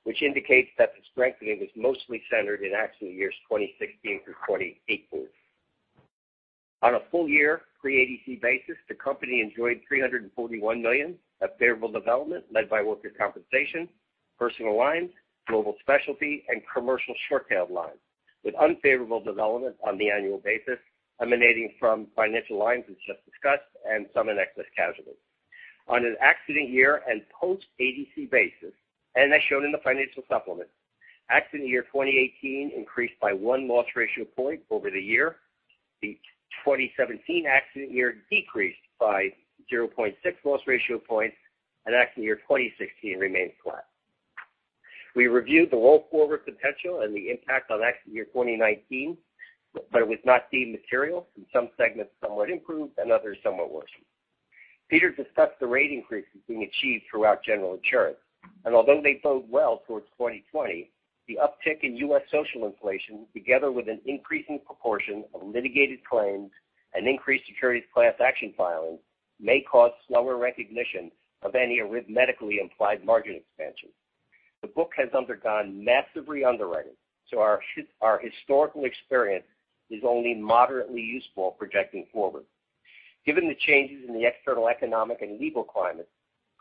which indicates that the strengthening was mostly centered in accident years 2016 through 2018. On a full year pre-ADC basis, the company enjoyed $341 million of favorable development led by worker compensation, personal lines, Global Specialty, and commercial short tail lines, with unfavorable development on the annual basis emanating from Financial Lines we just discussed and some in excess casualty. On an accident year and post-ADC basis, as shown in the financial supplement, accident year 2018 increased by one loss ratio point over the year. The 2017 accident year decreased by 0.6 loss ratio points, and accident year 2016 remains flat. We reviewed the roll forward potential and the impact on accident year 2019. It was not deemed material, and some segments somewhat improved and others somewhat worsened. Peter discussed the rate increases being achieved throughout General Insurance, and although they bode well towards 2020, the uptick in U.S. social inflation, together with an increasing proportion of litigated claims and increased securities class action filings, may cause slower recognition of any arithmetically implied margin expansion. The book has undergone massive re-underwriting, so our historical experience is only moderately useful projecting forward. Given the changes in the external economic and legal climate,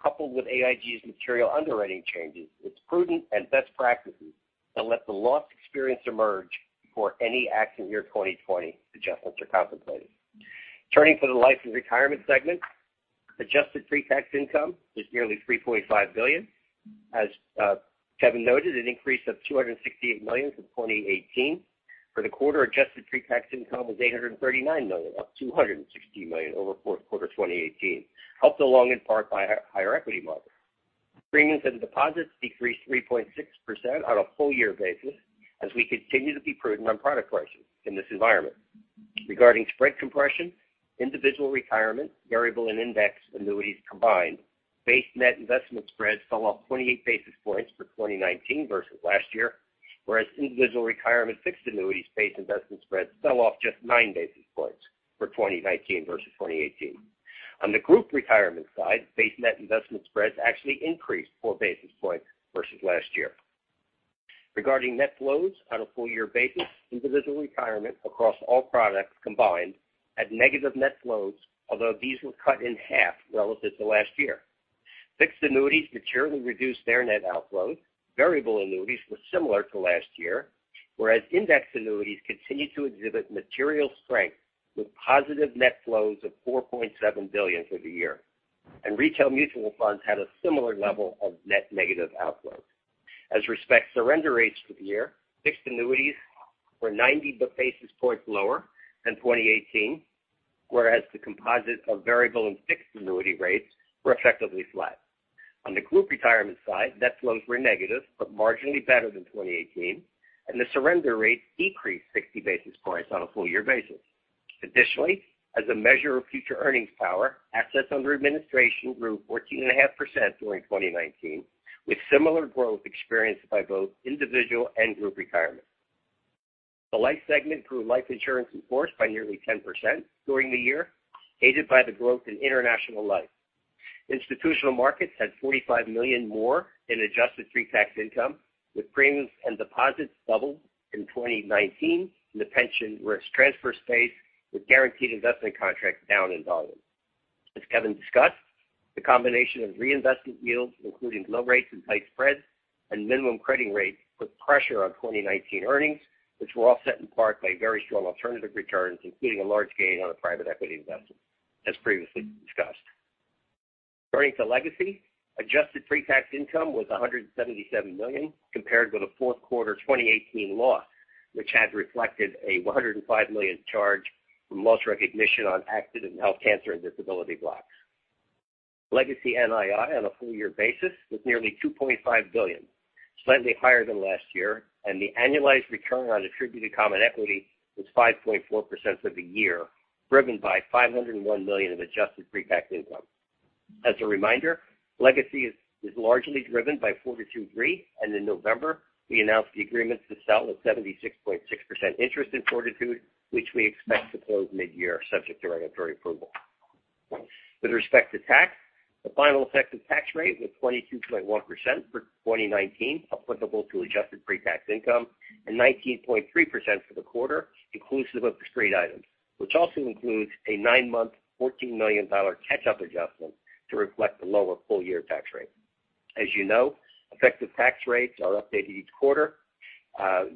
coupled with AIG's material underwriting changes, it's prudent and best practices to let the loss experience emerge before any accident year 2020 adjustments are contemplated. Turning to the Life & Retirement segment, adjusted pre-tax income is nearly $3.5 billion. Kevin noted an increase of $268 million from 2018. For the quarter, adjusted pre-tax income was $839 million, up $260 million over fourth quarter 2018, helped along in part by higher equity markets. Premiums and deposits decreased 3.6% on a full year basis, as we continue to be prudent on product pricing in this environment. Regarding spread compression, individual retirement, variable and index annuities combined, base net investment spreads fell off 28 basis points for 2019 versus last year, whereas individual retirement fixed annuities base investment spreads fell off just nine basis points for 2019 versus 2018. On the group retirement side, base net investment spreads actually increased four basis points versus last year. Regarding net flows on a full year basis, individual retirement across all products combined had negative net flows, although these were cut in half relative to last year. Fixed annuities materially reduced their net outflows. Variable annuities were similar to last year, whereas index annuities continued to exhibit material strength with positive net flows of $4.7 billion for the year. Retail mutual funds had a similar level of net negative outflows. As respects surrender rates for the year, fixed annuities were 90 basis points lower than 2018, whereas the composite of variable and fixed annuity rates were effectively flat. On the group retirement side, net flows were negative, but marginally better than 2018, and the surrender rates decreased 60 basis points on a full year basis. Additionally, as a measure of future earnings power, assets under administration grew 14.5% during 2019, with similar growth experienced by both individual and group retirement. The life segment grew life insurance in force by nearly 10% during the year, aided by the growth in international life. Institutional markets had $45 million more in adjusted pre-tax income, with premiums and deposits doubled in 2019 in the pension risk transfer space with guaranteed investment contracts down in volume. As Kevin discussed, the combination of reinvestment yields, including low rates and tight spreads and minimum crediting rates, put pressure on 2019 earnings, which were offset in part by very strong alternative returns, including a large gain on a private equity investment, as previously discussed. Turning to Legacy, adjusted pre-tax income was $177 million compared with a fourth quarter 2018 loss, which had reflected a $105 million charge from loss recognition on Accident & Health, cancer, and disability blocks. Legacy NII on a full year basis was nearly $2.5 billion, slightly higher than last year, and the annualized return on attributed common equity was 5.4% for the year, driven by $501 million of adjusted pre-tax income. As a reminder, Legacy is largely driven by Fortitude Re, and in November, we announced the agreement to sell a 76.6% interest in Fortitude, which we expect to close mid-year, subject to regulatory approval. With respect to tax, the final effective tax rate was 22.1% for 2019, applicable to adjusted pre-tax income, and 19.3% for the quarter, inclusive of discrete items, which also includes a nine-month $14 million catch-up adjustment to reflect the lower full year tax rate. As you know, effective tax rates are updated each quarter,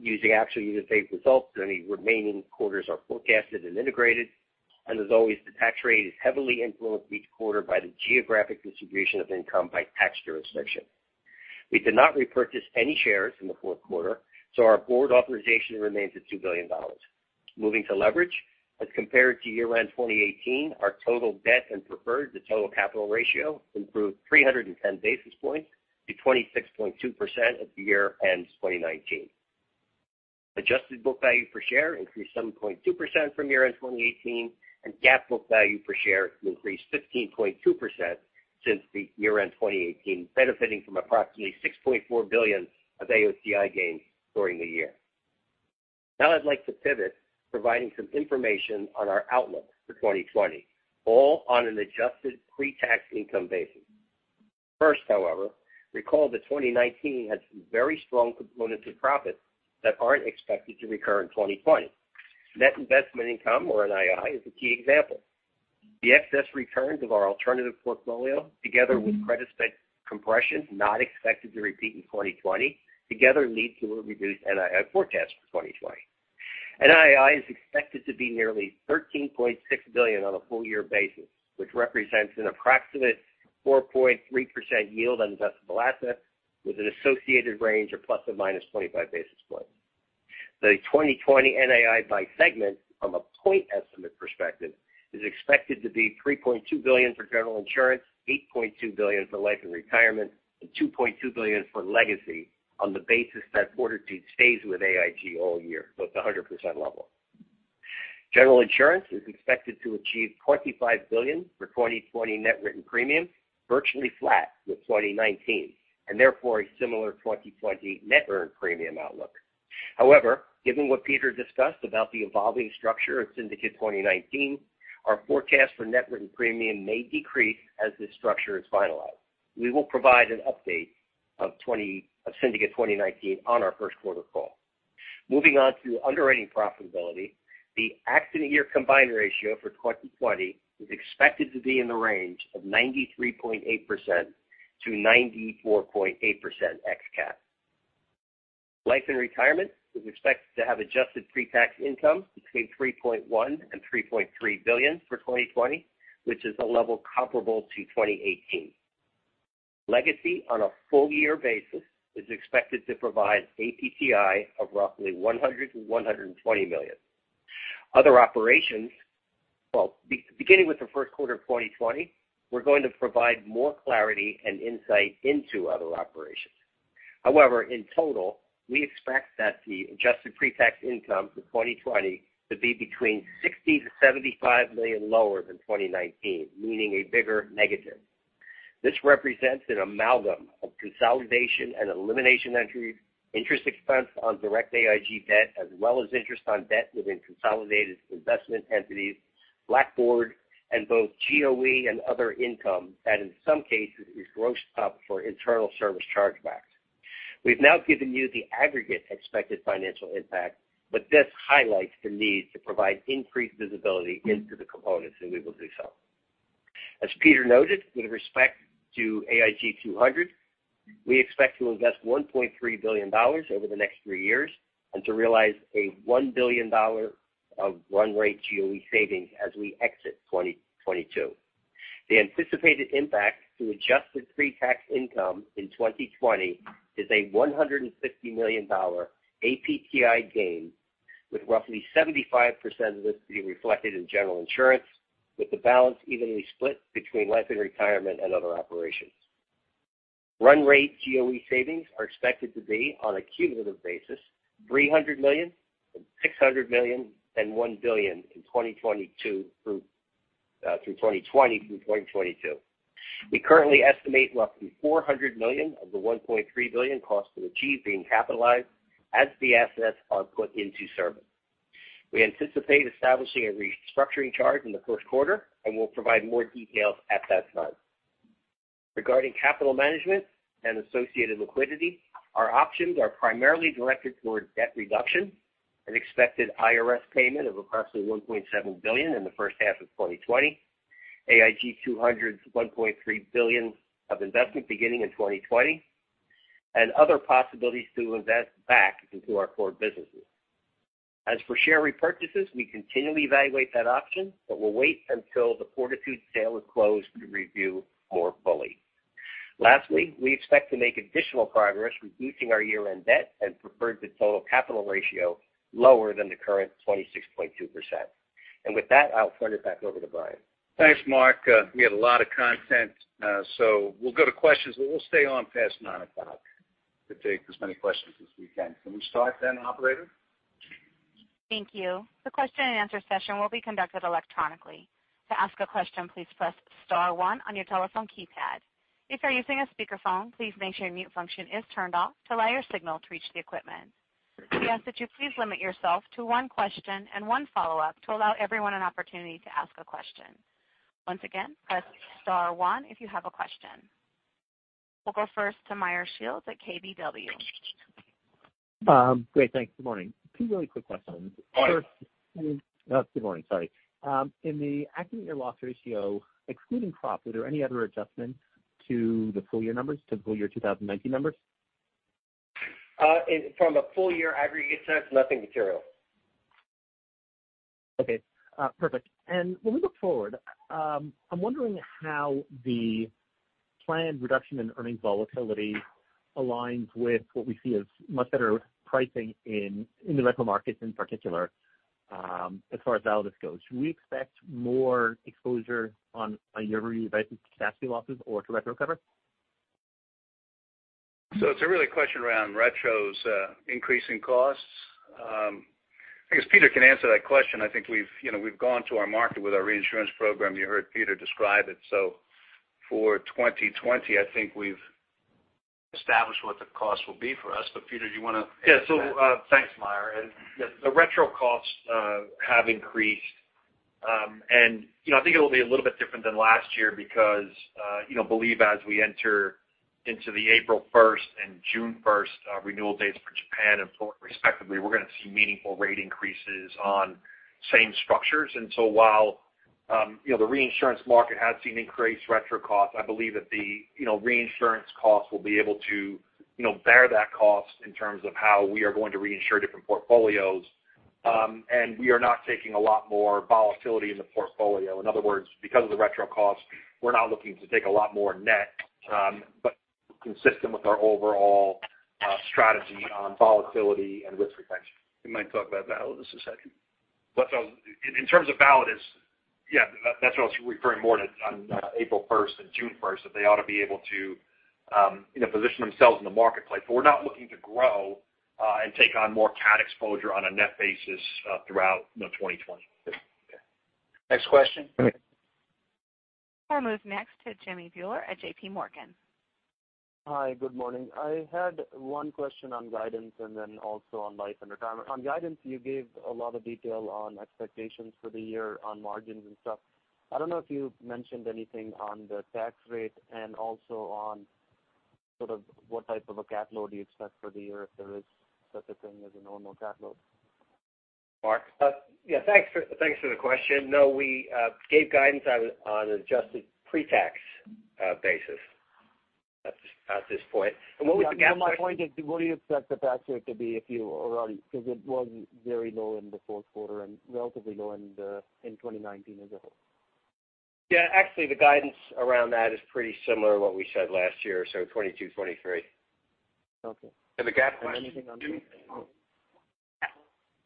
using actual year-to-date results, any remaining quarters are forecasted and integrated. As always, the tax rate is heavily influenced each quarter by the geographic distribution of income by tax jurisdiction. We did not repurchase any shares in the fourth quarter, so our board authorization remains at $2 billion. Moving to leverage. As compared to year-end 2018, our total debt and preferred to total capital ratio improved 310 basis points to 26.2% as the year ends 2019. Adjusted book value per share increased 7.2% from year-end 2018, and GAAP book value per share increased 15.2% since the year-end 2018, benefiting from approximately $6.4 billion of AOCI gains during the year. Now I'd like to pivot, providing some information on our outlook for 2020, all on an adjusted pre-tax income basis. First, however, recall that 2019 had some very strong components of profit that aren't expected to recur in 2020. Net Investment Income or NII is a key example. The excess returns of our alternative portfolio, together with credit spread compression, not expected to repeat in 2020, together lead to a reduced NII forecast for 2020. NII is expected to be nearly $13.6 billion on a full year basis, which represents an approximate 4.3% yield on investable assets with an associated range of ±25 basis points. The 2020 NII by segment from a point estimate perspective is expected to be $3.2 billion for General Insurance, $8.2 billion for Life & Retirement, and $2.2 billion for Legacy on the basis that Fortitude stays with AIG all year at the 100% level. General Insurance is expected to achieve $25 billion for 2020 net written premium, virtually flat with 2019, and therefore a similar 2020 net earned premium outlook. However, given what Peter discussed about the evolving structure of Syndicate 2019, our forecast for net written premium may decrease as this structure is finalized. We will provide an update of Syndicate 2019 on our first quarter call. Moving on to underwriting profitability. The accident year combined ratio for 2020 is expected to be in the range of 93.8%-94.8% x CAT. Life & Retirement is expected to have adjusted pre-tax income between $3.1 billion and $3.3 billion for 2020, which is a level comparable to 2018. Legacy, on a full year basis, is expected to provide APTI of roughly $100 million to $120 million. Other operations. Beginning with the first quarter of 2020, we're going to provide more clarity and insight into other operations. However, in total, we expect that the adjusted pre-tax income for 2020 to be between $60 million to $75 million lower than 2019, meaning a bigger negative. This represents an amalgam of consolidation and elimination entries, interest expense on direct AIG debt, as well as interest on debt within consolidated investment entities, Blackboard, and both GOE and other income that in some cases is grossed up for internal service chargebacks. This highlights the need to provide increased visibility into the components, and we will do so. As Peter noted, with respect to AIG 200, we expect to invest $1.3 billion over the next three years and to realize a $1 billion of run rate GOE savings as we exit 2022. The anticipated impact to adjusted pre-tax income in 2020 is a $150 million APTI gain with roughly 75% of this being reflected in General Insurance, with the balance evenly split between Life & Retirement and other operations. Run rate GOE savings are expected to be, on a cumulative basis, $300 million, then $600 million, then $1 billion in 2020 through 2022. We currently estimate roughly $400 million of the $1.3 billion cost to achieve being capitalized as the assets are put into service. We anticipate establishing a restructuring charge in the first quarter, and we'll provide more details at that time. Regarding capital management and associated liquidity, our options are primarily directed toward debt reduction, an expected IRS payment of approximately $1.7 billion in the first half of 2020, AIG 200's $1.3 billion of investment beginning in 2020, and other possibilities to invest back into our core businesses. As for share repurchases, we continually evaluate that option, but we'll wait until the Fortitude sale is closed to review more fully. Lastly, we expect to make additional progress reducing our year-end debt and preferred to total capital ratio lower than the current 26.2%. With that, I'll turn it back over to Brian. Thanks, Mark. We had a lot of content, so we'll go to questions, but we'll stay on past nine o'clock to take as many questions as we can. Can we start then, operator? Thank you. The question and answer session will be conducted electronically. To ask a question, please press *1 on your telephone keypad. If you're using a speakerphone, please make sure mute function is turned off to allow your signal to reach the equipment. We ask that you please limit yourself to one question and one follow-up to allow everyone an opportunity to ask a question. Once again, press *1 if you have a question. We'll go first to Meyer Shields at KBW. Great. Thanks. Good morning. Two really quick questions. Morning. Good morning, sorry. In the accident year loss ratio, excluding crop, were there any other adjustments to the full-year numbers, to the full year 2019 numbers? From a full-year aggregate sense, nothing material. Okay, perfect. When we look forward, I'm wondering how the planned reduction in earnings volatility aligns with what we see as much better pricing in the retro markets in particular, as far as Validus goes. Should we expect more exposure on your capacity losses or to retro cover? It's a real question around retros increasing costs. I guess Peter can answer that question. I think we've gone to our market with our reinsurance program. You heard Peter describe it. For 2020, I think we've established what the cost will be for us. Peter, do you want to- Thanks, Meyer. The retro costs have increased. I think it'll be a little bit different than last year because, believe as we enter into the April 1st and June 1st renewal dates for Japan and Florida respectively, we're going to see meaningful rate increases on same structures. While the reinsurance market has seen increased retro costs, I believe that the reinsurance costs will be able to bear that cost in terms of how we are going to reinsure different portfolios. We are not taking a lot more volatility in the portfolio. In other words, because of the retro costs, we're not looking to take a lot more net, but consistent with our overall strategy on volatility and risk retention. We might talk about Validus in a second. In terms of Validus, that's what I was referring more to on April 1st and June 1st, that they ought to be able to position themselves in the marketplace. We're not looking to grow and take on more cat exposure on a net basis throughout 2020. Next question. I'll move next to Jimmy Bhullar at J.P. Morgan. Hi. Good morning. I had one question on guidance. Then also on Life & Retirement. On guidance, you gave a lot of detail on expectations for the year on margins and stuff. I don't know if you mentioned anything on the tax rate. Also on sort of what type of a CAT load you expect for the year, if there is such a thing as a normal CAT load. Mark? Yeah. Thanks for the question. No, we gave guidance on an adjusted pre-tax basis at this point. What was the CAT- My point is, what do you expect the tax rate to be if you already, because it was very low in the fourth quarter and relatively low in 2019 as a whole. Yeah. Actually, the guidance around that is pretty similar to what we said last year, 2022, 2023. Okay. The cat- Anything on CAT load?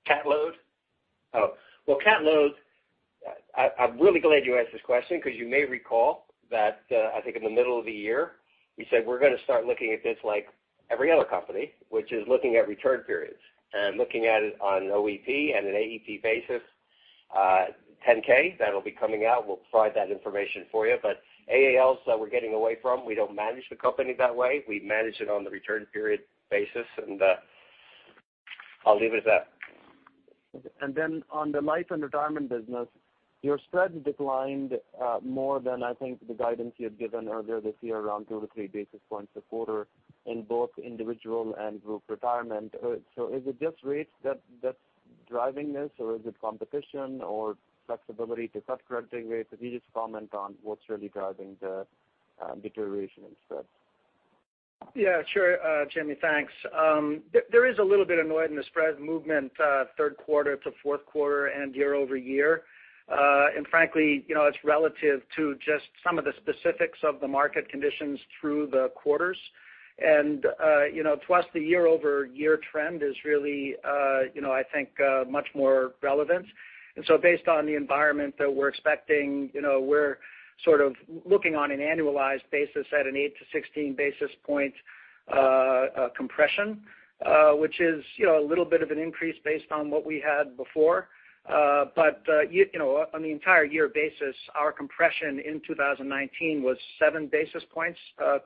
CAT load? Oh, well, CAT load, I'm really glad you asked this question because you may recall that, I think in the middle of the year, we said we're going to start looking at this like every other company, which is looking at return periods, and looking at it on an OEP and an AEP basis 10-K. That'll be coming out. We'll provide that information for you. AALs that we're getting away from, we don't manage the company that way. We manage it on the return period basis, and I'll leave it at that. On the Life & Retirement business, your spreads declined more than I think the guidance you had given earlier this year around 2 to 3 basis points a quarter in both individual and group retirement. Is it just rates that's driving this, or is it competition or flexibility to cut crediting rates? Could you just comment on what's really driving the deterioration in spreads? Yeah, sure, Jimmy, thanks. There is a little bit of noise in the spread movement third quarter to fourth quarter and year-over-year. Frankly, it's relative to just some of the specifics of the market conditions through the quarters. To us, the year-over-year trend is really I think much more relevant. Based on the environment that we're expecting, we're sort of looking on an annualized basis at an 8 to 16 basis point compression, which is a little bit of an increase based on what we had before. On the entire year basis, our compression in 2019 was 7 basis points,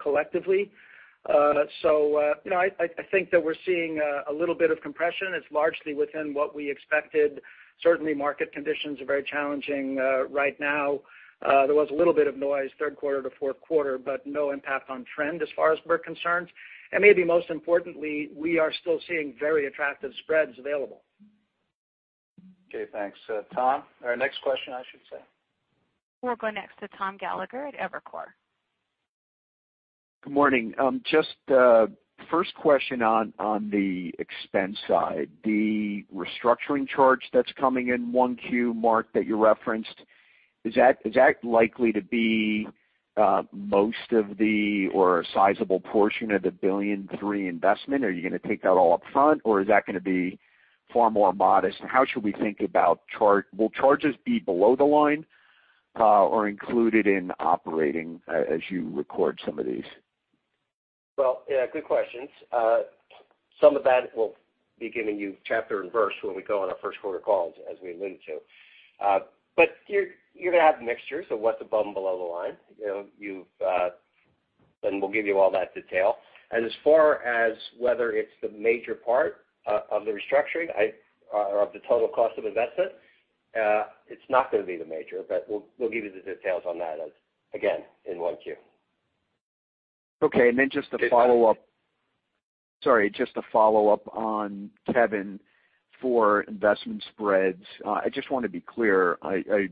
collectively. I think that we're seeing a little bit of compression. It's largely within what we expected. Certainly, market conditions are very challenging right now. There was a little bit of noise third quarter to fourth quarter, but no impact on trend as far as we're concerned. Maybe most importantly, we are still seeing very attractive spreads available. Okay, thanks. Tom. Our next question, I should say. We'll go next to Thomas Gallagher at Evercore. Good morning. Just a first question on the expense side. The restructuring charge that's coming in 1Q, Mark, that you referenced, is that likely to be most of the, or a sizable portion of the $1.3 billion investment? Are you going to take that all up front or is that going to be far more modest? How should we think about charge? Will charges be below the line, or included in operating as you record some of these? Well, yeah, good questions. Some of that we'll be giving you chapter and verse when we go on our first quarter calls, as we alluded to. You're going to have mixtures of what's above and below the line. We'll give you all that detail. As far as whether it's the major part of the restructuring or of the total cost of investment, it's not going to be the major, but we'll give you the details on that as, again, in 1Q. Okay. Then just a follow-up. Sorry, just to follow up on Kevin for investment spreads. I just want to be clear. I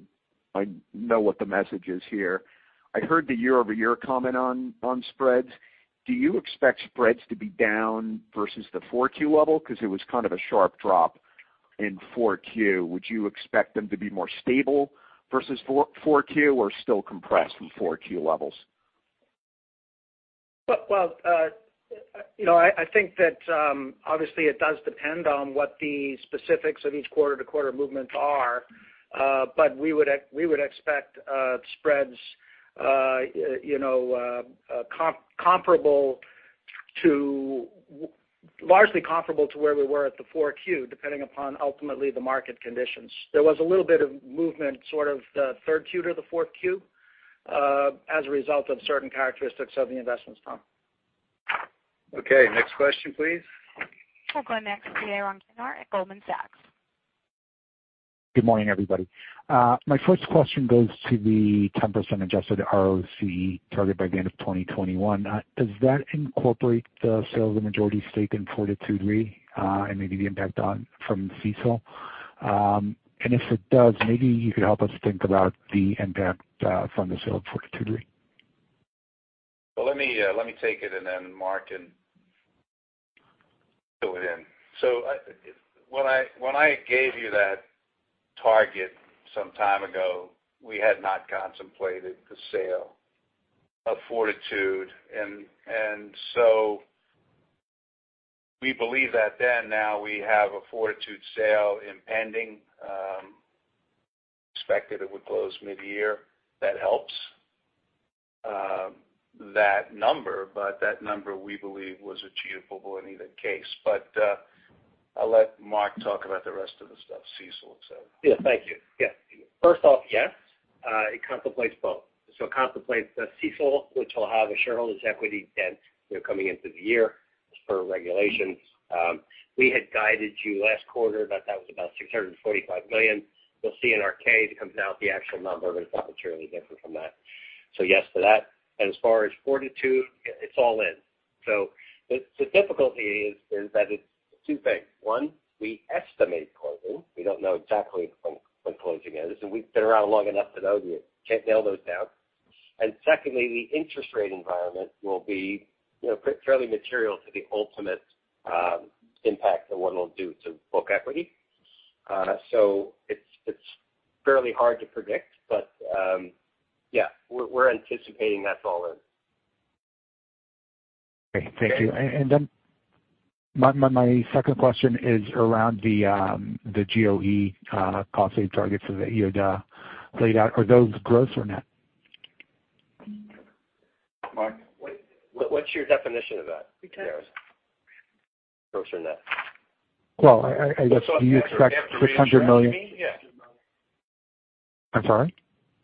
know what the message is here. I heard the year-over-year comment on spreads. Do you expect spreads to be down versus the 4Q level? Because it was kind of a sharp drop in 4Q. Would you expect them to be more stable versus 4Q or still compressed from 4Q levels? I think that obviously it does depend on what the specifics of each quarter-to-quarter movements are. We would expect spreads largely comparable to where we were at the 4Q, depending upon ultimately the market conditions. There was a little bit of movement sort of the third Q to the fourth Q as a result of certain characteristics of the investments, Tom. Next question, please. We'll go next to Jay Gelb at Goldman Sachs. Good morning, everybody. My first question goes to the 10% adjusted ROC target by the end of 2021. Does that incorporate the sale of the majority stake in Fortitude Re, and maybe the impact from CECL? If it does, maybe you could help us think about the impact from the sale of Fortitude Re. Well, let me take it and then Mark can fill it in. When I gave you that target some time ago, we had not contemplated the sale of Fortitude Re. We believe that then now we have a Fortitude Re sale impending, expected it would close mid-year. That helps that number, but that number we believe was achievable in either case. I'll let Mark talk about the rest of the stuff, CECL and so. Yeah, thank you. First off, yes, it contemplates both. It contemplates the CECL, which will have a shareholders' equity dent coming into the year as per regulations. We had guided you last quarter that that was about $645 million. You'll see in our K, it comes out the actual number, but it's not materially different from that. Yes to that. As far as Fortitude Re, it's all in. The difficulty is that it's two things. One, we estimate closing. We don't know exactly when closing is, and we've been around long enough to know you can't nail those down. Secondly, the interest rate environment will be fairly material to the ultimate impact that one will do to book equity. It's fairly hard to predict. But yeah, we're anticipating that's all in. Okay. Thank you. My second question is around the GOE costing targets that Peter laid out. Are those gross or net? Mark? What's your definition of that, Jay? Gross or net? Well, I guess, do you expect $300 million- After restructuring? Yeah. I'm sorry?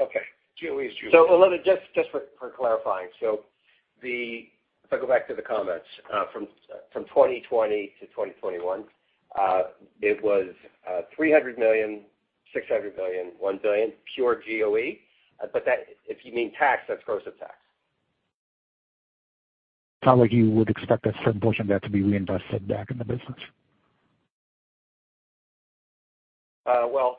Okay. GOE is GOE. Just for clarifying. If I go back to the comments from 2020 to 2021 it was $300 million, $600 million, $1 billion pure GOE. If you mean tax, that's gross of tax. It's not like you would expect a certain portion of that to be reinvested back in the business. Well,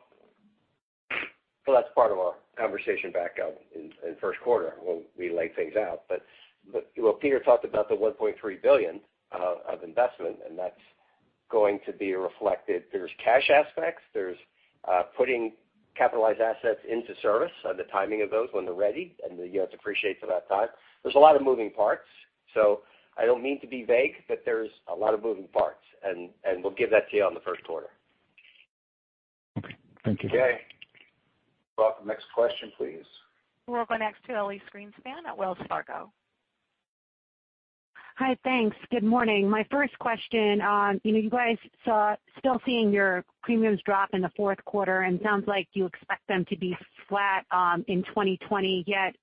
that's part of our conversation back in first quarter when we laid things out. Peter talked about the $1.3 billion of investment, that's going to be reflected. There's cash aspects, there's putting capitalized assets into service, the timing of those when they're ready, and the units depreciate for that time. There's a lot of moving parts. I don't mean to be vague, but there's a lot of moving parts, and we'll give that to you on the first quarter. Okay. Thank you. Okay. Go on to the next question, please. We'll go next to Elyse Greenspan at Wells Fargo. Hi. Thanks. Good morning. My first question, you guys saw still seeing your premiums drop in the fourth quarter, it sounds like you expect them to be flat in 2020, yet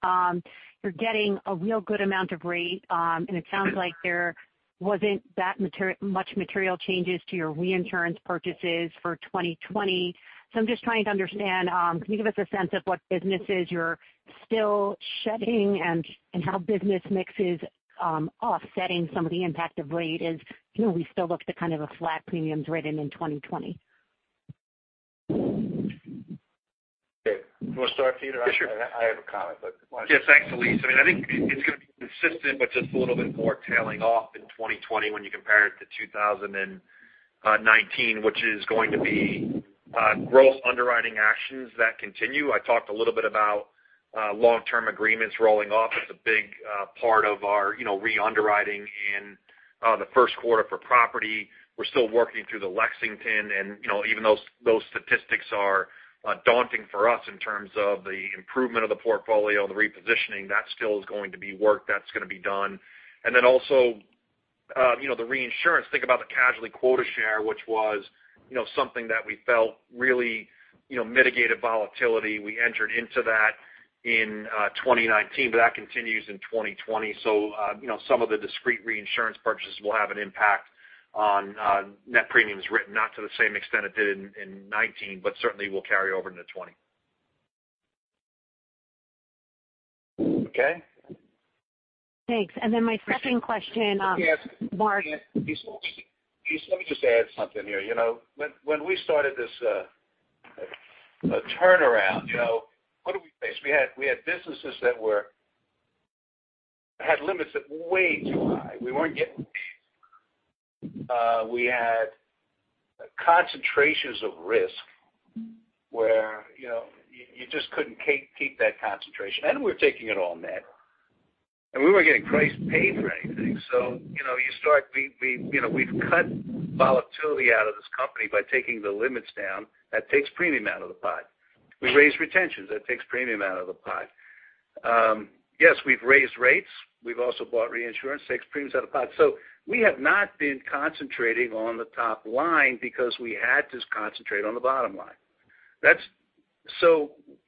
you're getting a real good amount of rate. It sounds like there wasn't that much material changes to your reinsurance purchases for 2020. I'm just trying to understand, can you give us a sense of what businesses you're still shedding and how business mix is offsetting some of the impact of rate as we still look to kind of a flat premiums written in 2020? Okay. You want to start, Peter? Yeah, sure. I have a comment, why don't you. Thanks, Elyse. I think it is going to be consistent, but just a little bit more tailing off in 2020 when you compare it to 2019, which is going to be gross underwriting actions that continue. I talked a little bit about long-term agreements rolling off. That is a big part of our re-underwriting in the first quarter for property. We are still working through the Lexington, and even those statistics are daunting for us in terms of the improvement of the portfolio, the repositioning. That still is going to be work that is going to be done. Then also the reinsurance. Think about the casualty quota share, which was something that we felt really mitigated volatility. We entered into that in 2019, but that continues in 2020. Some of the discrete reinsurance purchases will have an impact on net premiums written, not to the same extent it did in 2019, but certainly will carry over into 2020. Okay. Thanks. Then my second question. Let me ask- Mark. Elyse, let me just add something here. When we started this turnaround, what did we face? We had businesses that had limits that were way too high. We weren't getting paid. We had concentrations of risk where you just couldn't keep that concentration. We were taking it all net, and we weren't getting priced paid for anything. We've cut volatility out of this company by taking the limits down. That takes premium out of the pot. We raised retentions. That takes premium out of the pot. Yes, we've raised rates. We've also bought reinsurance, takes premiums out of the pot. We have not been concentrating on the top line because we had to concentrate on the bottom line.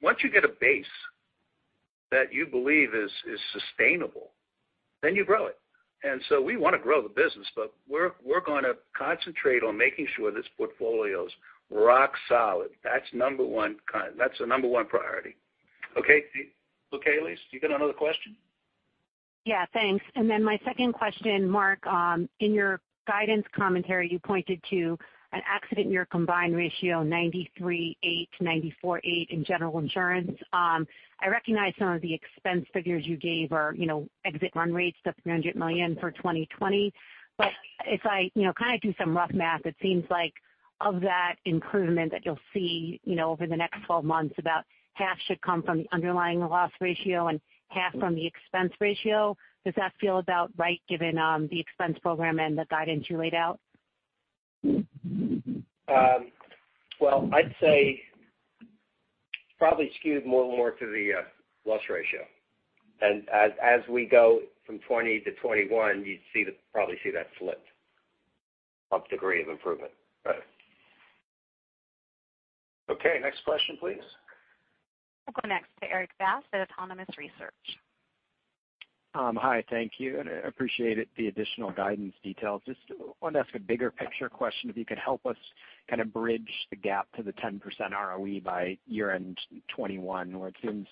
Once you get a base that you believe is sustainable, then you grow it. We want to grow the business, but we're going to concentrate on making sure this portfolio's rock solid. That's the number 1 priority. Okay, Elyse, you got another question? Yeah, thanks. My second question, Mark, in your guidance commentary, you pointed to an accident in your combined ratio 93.8%-94.8% in General Insurance. I recognize some of the expense figures you gave are exit run rates, the $300 million for 2020. If I kind of do some rough math, it seems like of that improvement that you'll see over the next 12 months, about half should come from the underlying loss ratio and half from the expense ratio. Does that feel about right given the expense program and the guidance you laid out? Well, I'd say probably skewed more to the loss ratio. As we go from 2020 to 2021, you'd probably see that flip of degree of improvement. Right. Okay, next question, please. We'll go next to Erik Bass at Autonomous Research. Hi. Thank you, I appreciate the additional guidance details. Just wanted to ask a bigger picture question, if you could help us kind of bridge the gap to the 10% ROE by year-end 2021, where it seems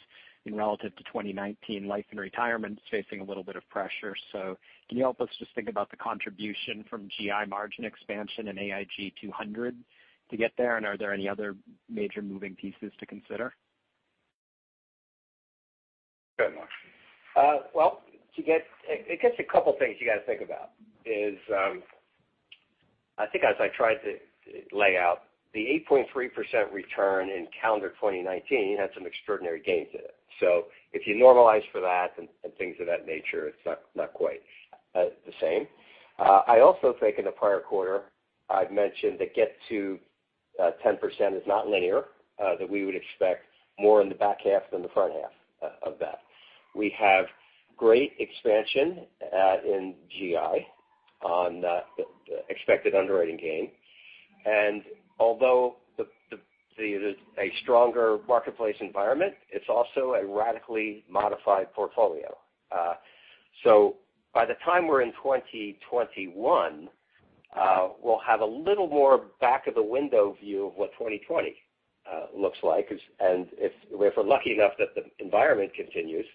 in relative to 2019, Life & Retirement's facing a little bit of pressure. Can you help us just think about the contribution from GI margin expansion and AIG 200 to get there? Are there any other major moving pieces to consider? Go ahead, Mark. Well, I guess a couple of things you got to think about is, I think as I tried to lay out the 8.3% return in calendar 2019 had some extraordinary gains in it. If you normalize for that and things of that nature, it's not quite the same. I also think in the prior quarter, I've mentioned that get to 10% is not linear, that we would expect more in the back half than the front half of that. We have great expansion in GI on the expected underwriting gain. Although there's a stronger marketplace environment, it's also a radically modified portfolio. By the time we're in 2021, we'll have a little more back of the window view of what 2020 looks like. If we're lucky enough that the environment continues,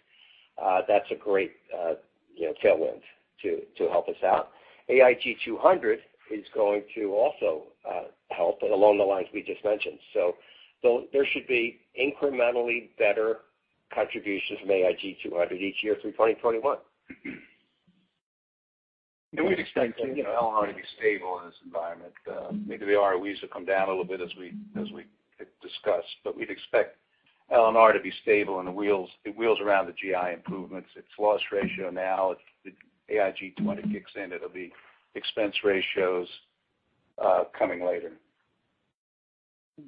that's a great tailwind to help us out. AIG 200 is going to also help, and along the lines we just mentioned. There should be incrementally better contributions from AIG 200 each year through 2021. We'd expect L&R to be stable in this environment. Maybe the ROEs will come down a little bit as we discuss, but we'd expect L&R to be stable, and it wheels around the GI improvements, its loss ratio now, if the AIG 200 kicks in, it'll be expense ratios coming later.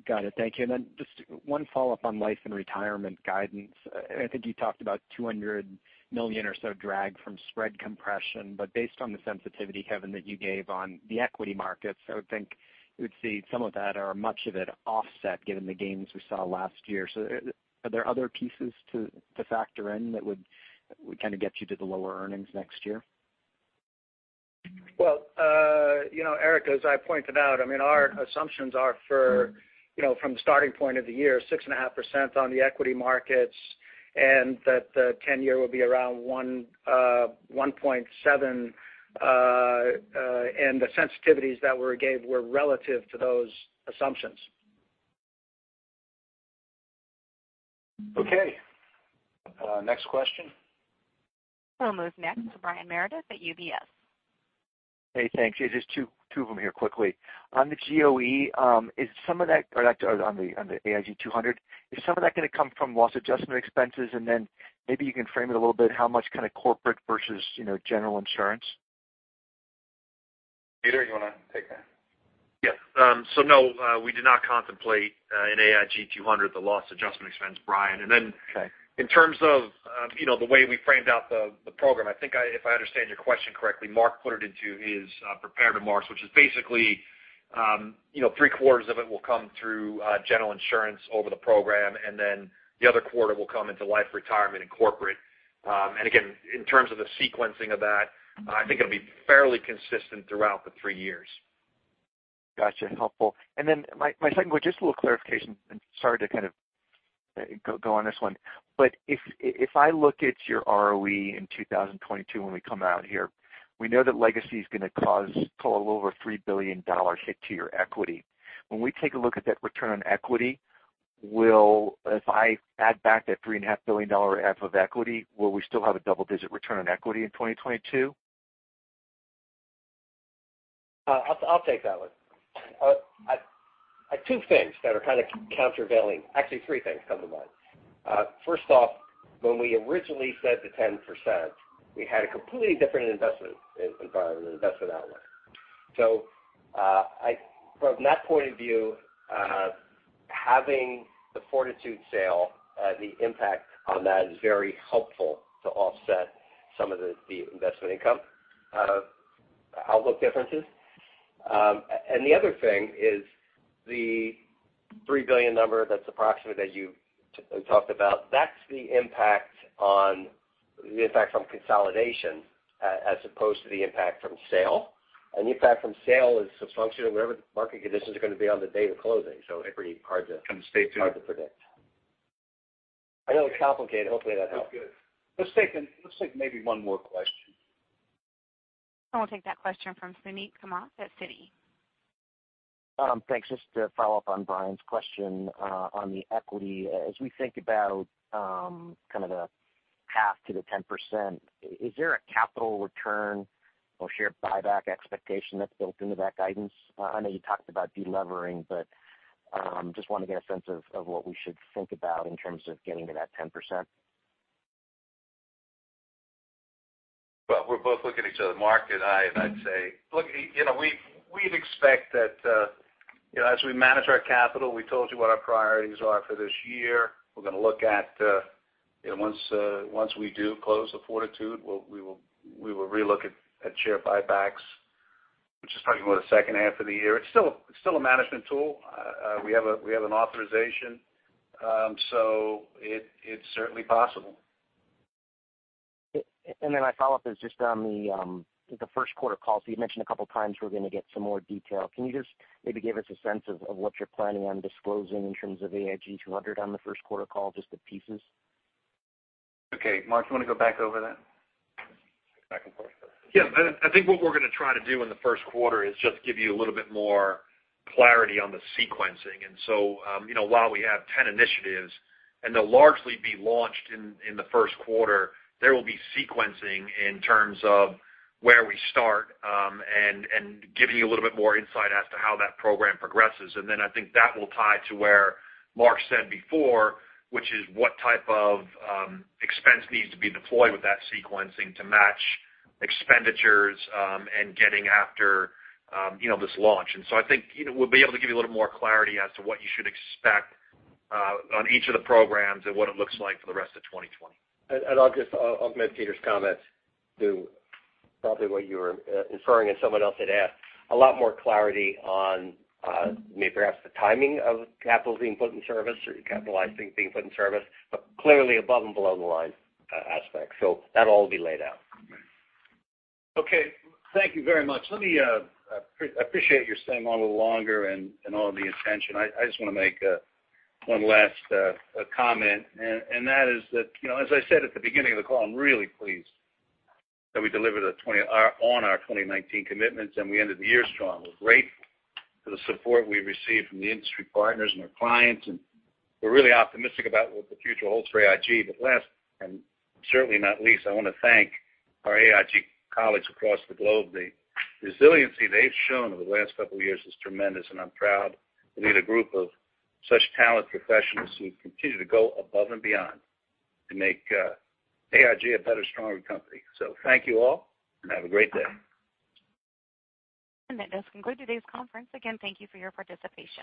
Got it. Thank you. Just one follow-up on Life & Retirement guidance. I think you talked about $200 million or so drag from spread compression, but based on the sensitivity, Kevin, that you gave on the equity markets, I would think you would see some of that or much of it offset given the gains we saw last year. Are there other pieces to factor in that would get you to the lower earnings next year? Well, Erik, as I pointed out, our assumptions are from the starting point of the year, 6.5% on the equity markets, and that the 10-year will be around 1.7, and the sensitivities that were gave were relative to those assumptions. Okay. Next question. We'll move next to Brian Meredith at UBS. Hey, thanks. Just two of them here quickly. On the GOE, on the AIG 200, is some of that going to come from loss adjustment expenses? Then maybe you can frame it a little bit, how much corporate versus General Insurance? Peter, you want to take that? Yes. No, we did not contemplate in AIG 200 the loss adjustment expense, Brian. Okay. Then in terms of the way we framed out the program, I think if I understand your question correctly, Mark put it into his prepared remarks, which is basically three-quarters of it will come through General Insurance over the program. The other quarter will come into Life, Retirement, and corporate. Again, in terms of the sequencing of that, I think it'll be fairly consistent throughout the 3 years. Got you. Helpful. Then my second one, just a little clarification, and sorry to kind of go on this one. If I look at your ROE in 2022 when we come out here, we know that legacy is going to cause a little over a $3 billion hit to your equity. When we take a look at that return on equity, if I add back that $3.5 billion of equity, will we still have a double-digit return on equity in 2022? I'll take that one. Two things that are kind of countervailing, actually three things come to mind. First off, when we originally said the 10%, we had a completely different investment environment and investment outlook. From that point of view, having the Fortitude sale, the impact on that is very helpful to offset some of the investment income outlook differences. The other thing is the $3 billion number that's approximate that you talked about, that's the impact on consolidation as opposed to the impact from sale. An impact from sale is a function of whatever the market conditions are going to be on the date of closing. Kind of stay tuned hard to predict. I know it's complicated. Hopefully, that helps. That's good. Let's take maybe one more question. We'll take that question from Suneet Kamath at Citi. Thanks. Just to follow up on Brian's question on the equity. As we think about the path to the 10%, is there a capital return or share buyback expectation that's built into that guidance? I know you talked about de-levering, just want to get a sense of what we should think about in terms of getting to that 10%. Well, we're both looking at each other, Mark and I, and I'd say we'd expect that as we manage our capital, we told you what our priorities are for this year. We're going to look at once we do close the Fortitude, we will re-look at share buybacks, which is probably more the second half of the year. It's still a management tool. We have an authorization, so it's certainly possible. My follow-up is just on the first quarter call. You mentioned a couple of times we're going to get some more detail. Can you just maybe give us a sense of what you're planning on disclosing in terms of AIG 200 on the first quarter call, just the pieces? Mark, do you want to go back over that? Back and forth. Yeah. I think what we're going to try to do in the first quarter is just give you a little bit more clarity on the sequencing. While we have 10 initiatives, and they'll largely be launched in the first quarter, there will be sequencing in terms of where we start and giving you a little bit more insight as to how that program progresses. I think that will tie to where Mark said before, which is what type of expense needs to be deployed with that sequencing to match expenditures, and getting after this launch. I think we'll be able to give you a little more clarity as to what you should expect on each of the programs and what it looks like for the rest of 2020. I'll just augment Peter's comments to probably what you were inferring and someone else had asked, a lot more clarity on maybe perhaps the timing of capital being put in service or capitalizing being put in service, but clearly above and below the line aspect. That'll all be laid out. Okay. Thank you very much. I appreciate your staying on a little longer and all of the attention. I just want to make one last comment, that is that, as I said at the beginning of the call, I'm really pleased that we delivered on our 2019 commitments we ended the year strong. We're grateful for the support we received from the industry partners and our clients, we're really optimistic about what the future holds for AIG. Last, and certainly not least, I want to thank our AIG colleagues across the globe. The resiliency they've shown over the last couple of years is tremendous, I'm proud to lead a group of such talented professionals who continue to go above and beyond to make AIG a better, stronger company. Thank you all, and have a great day. That does conclude today's conference. Again, thank you for your participation.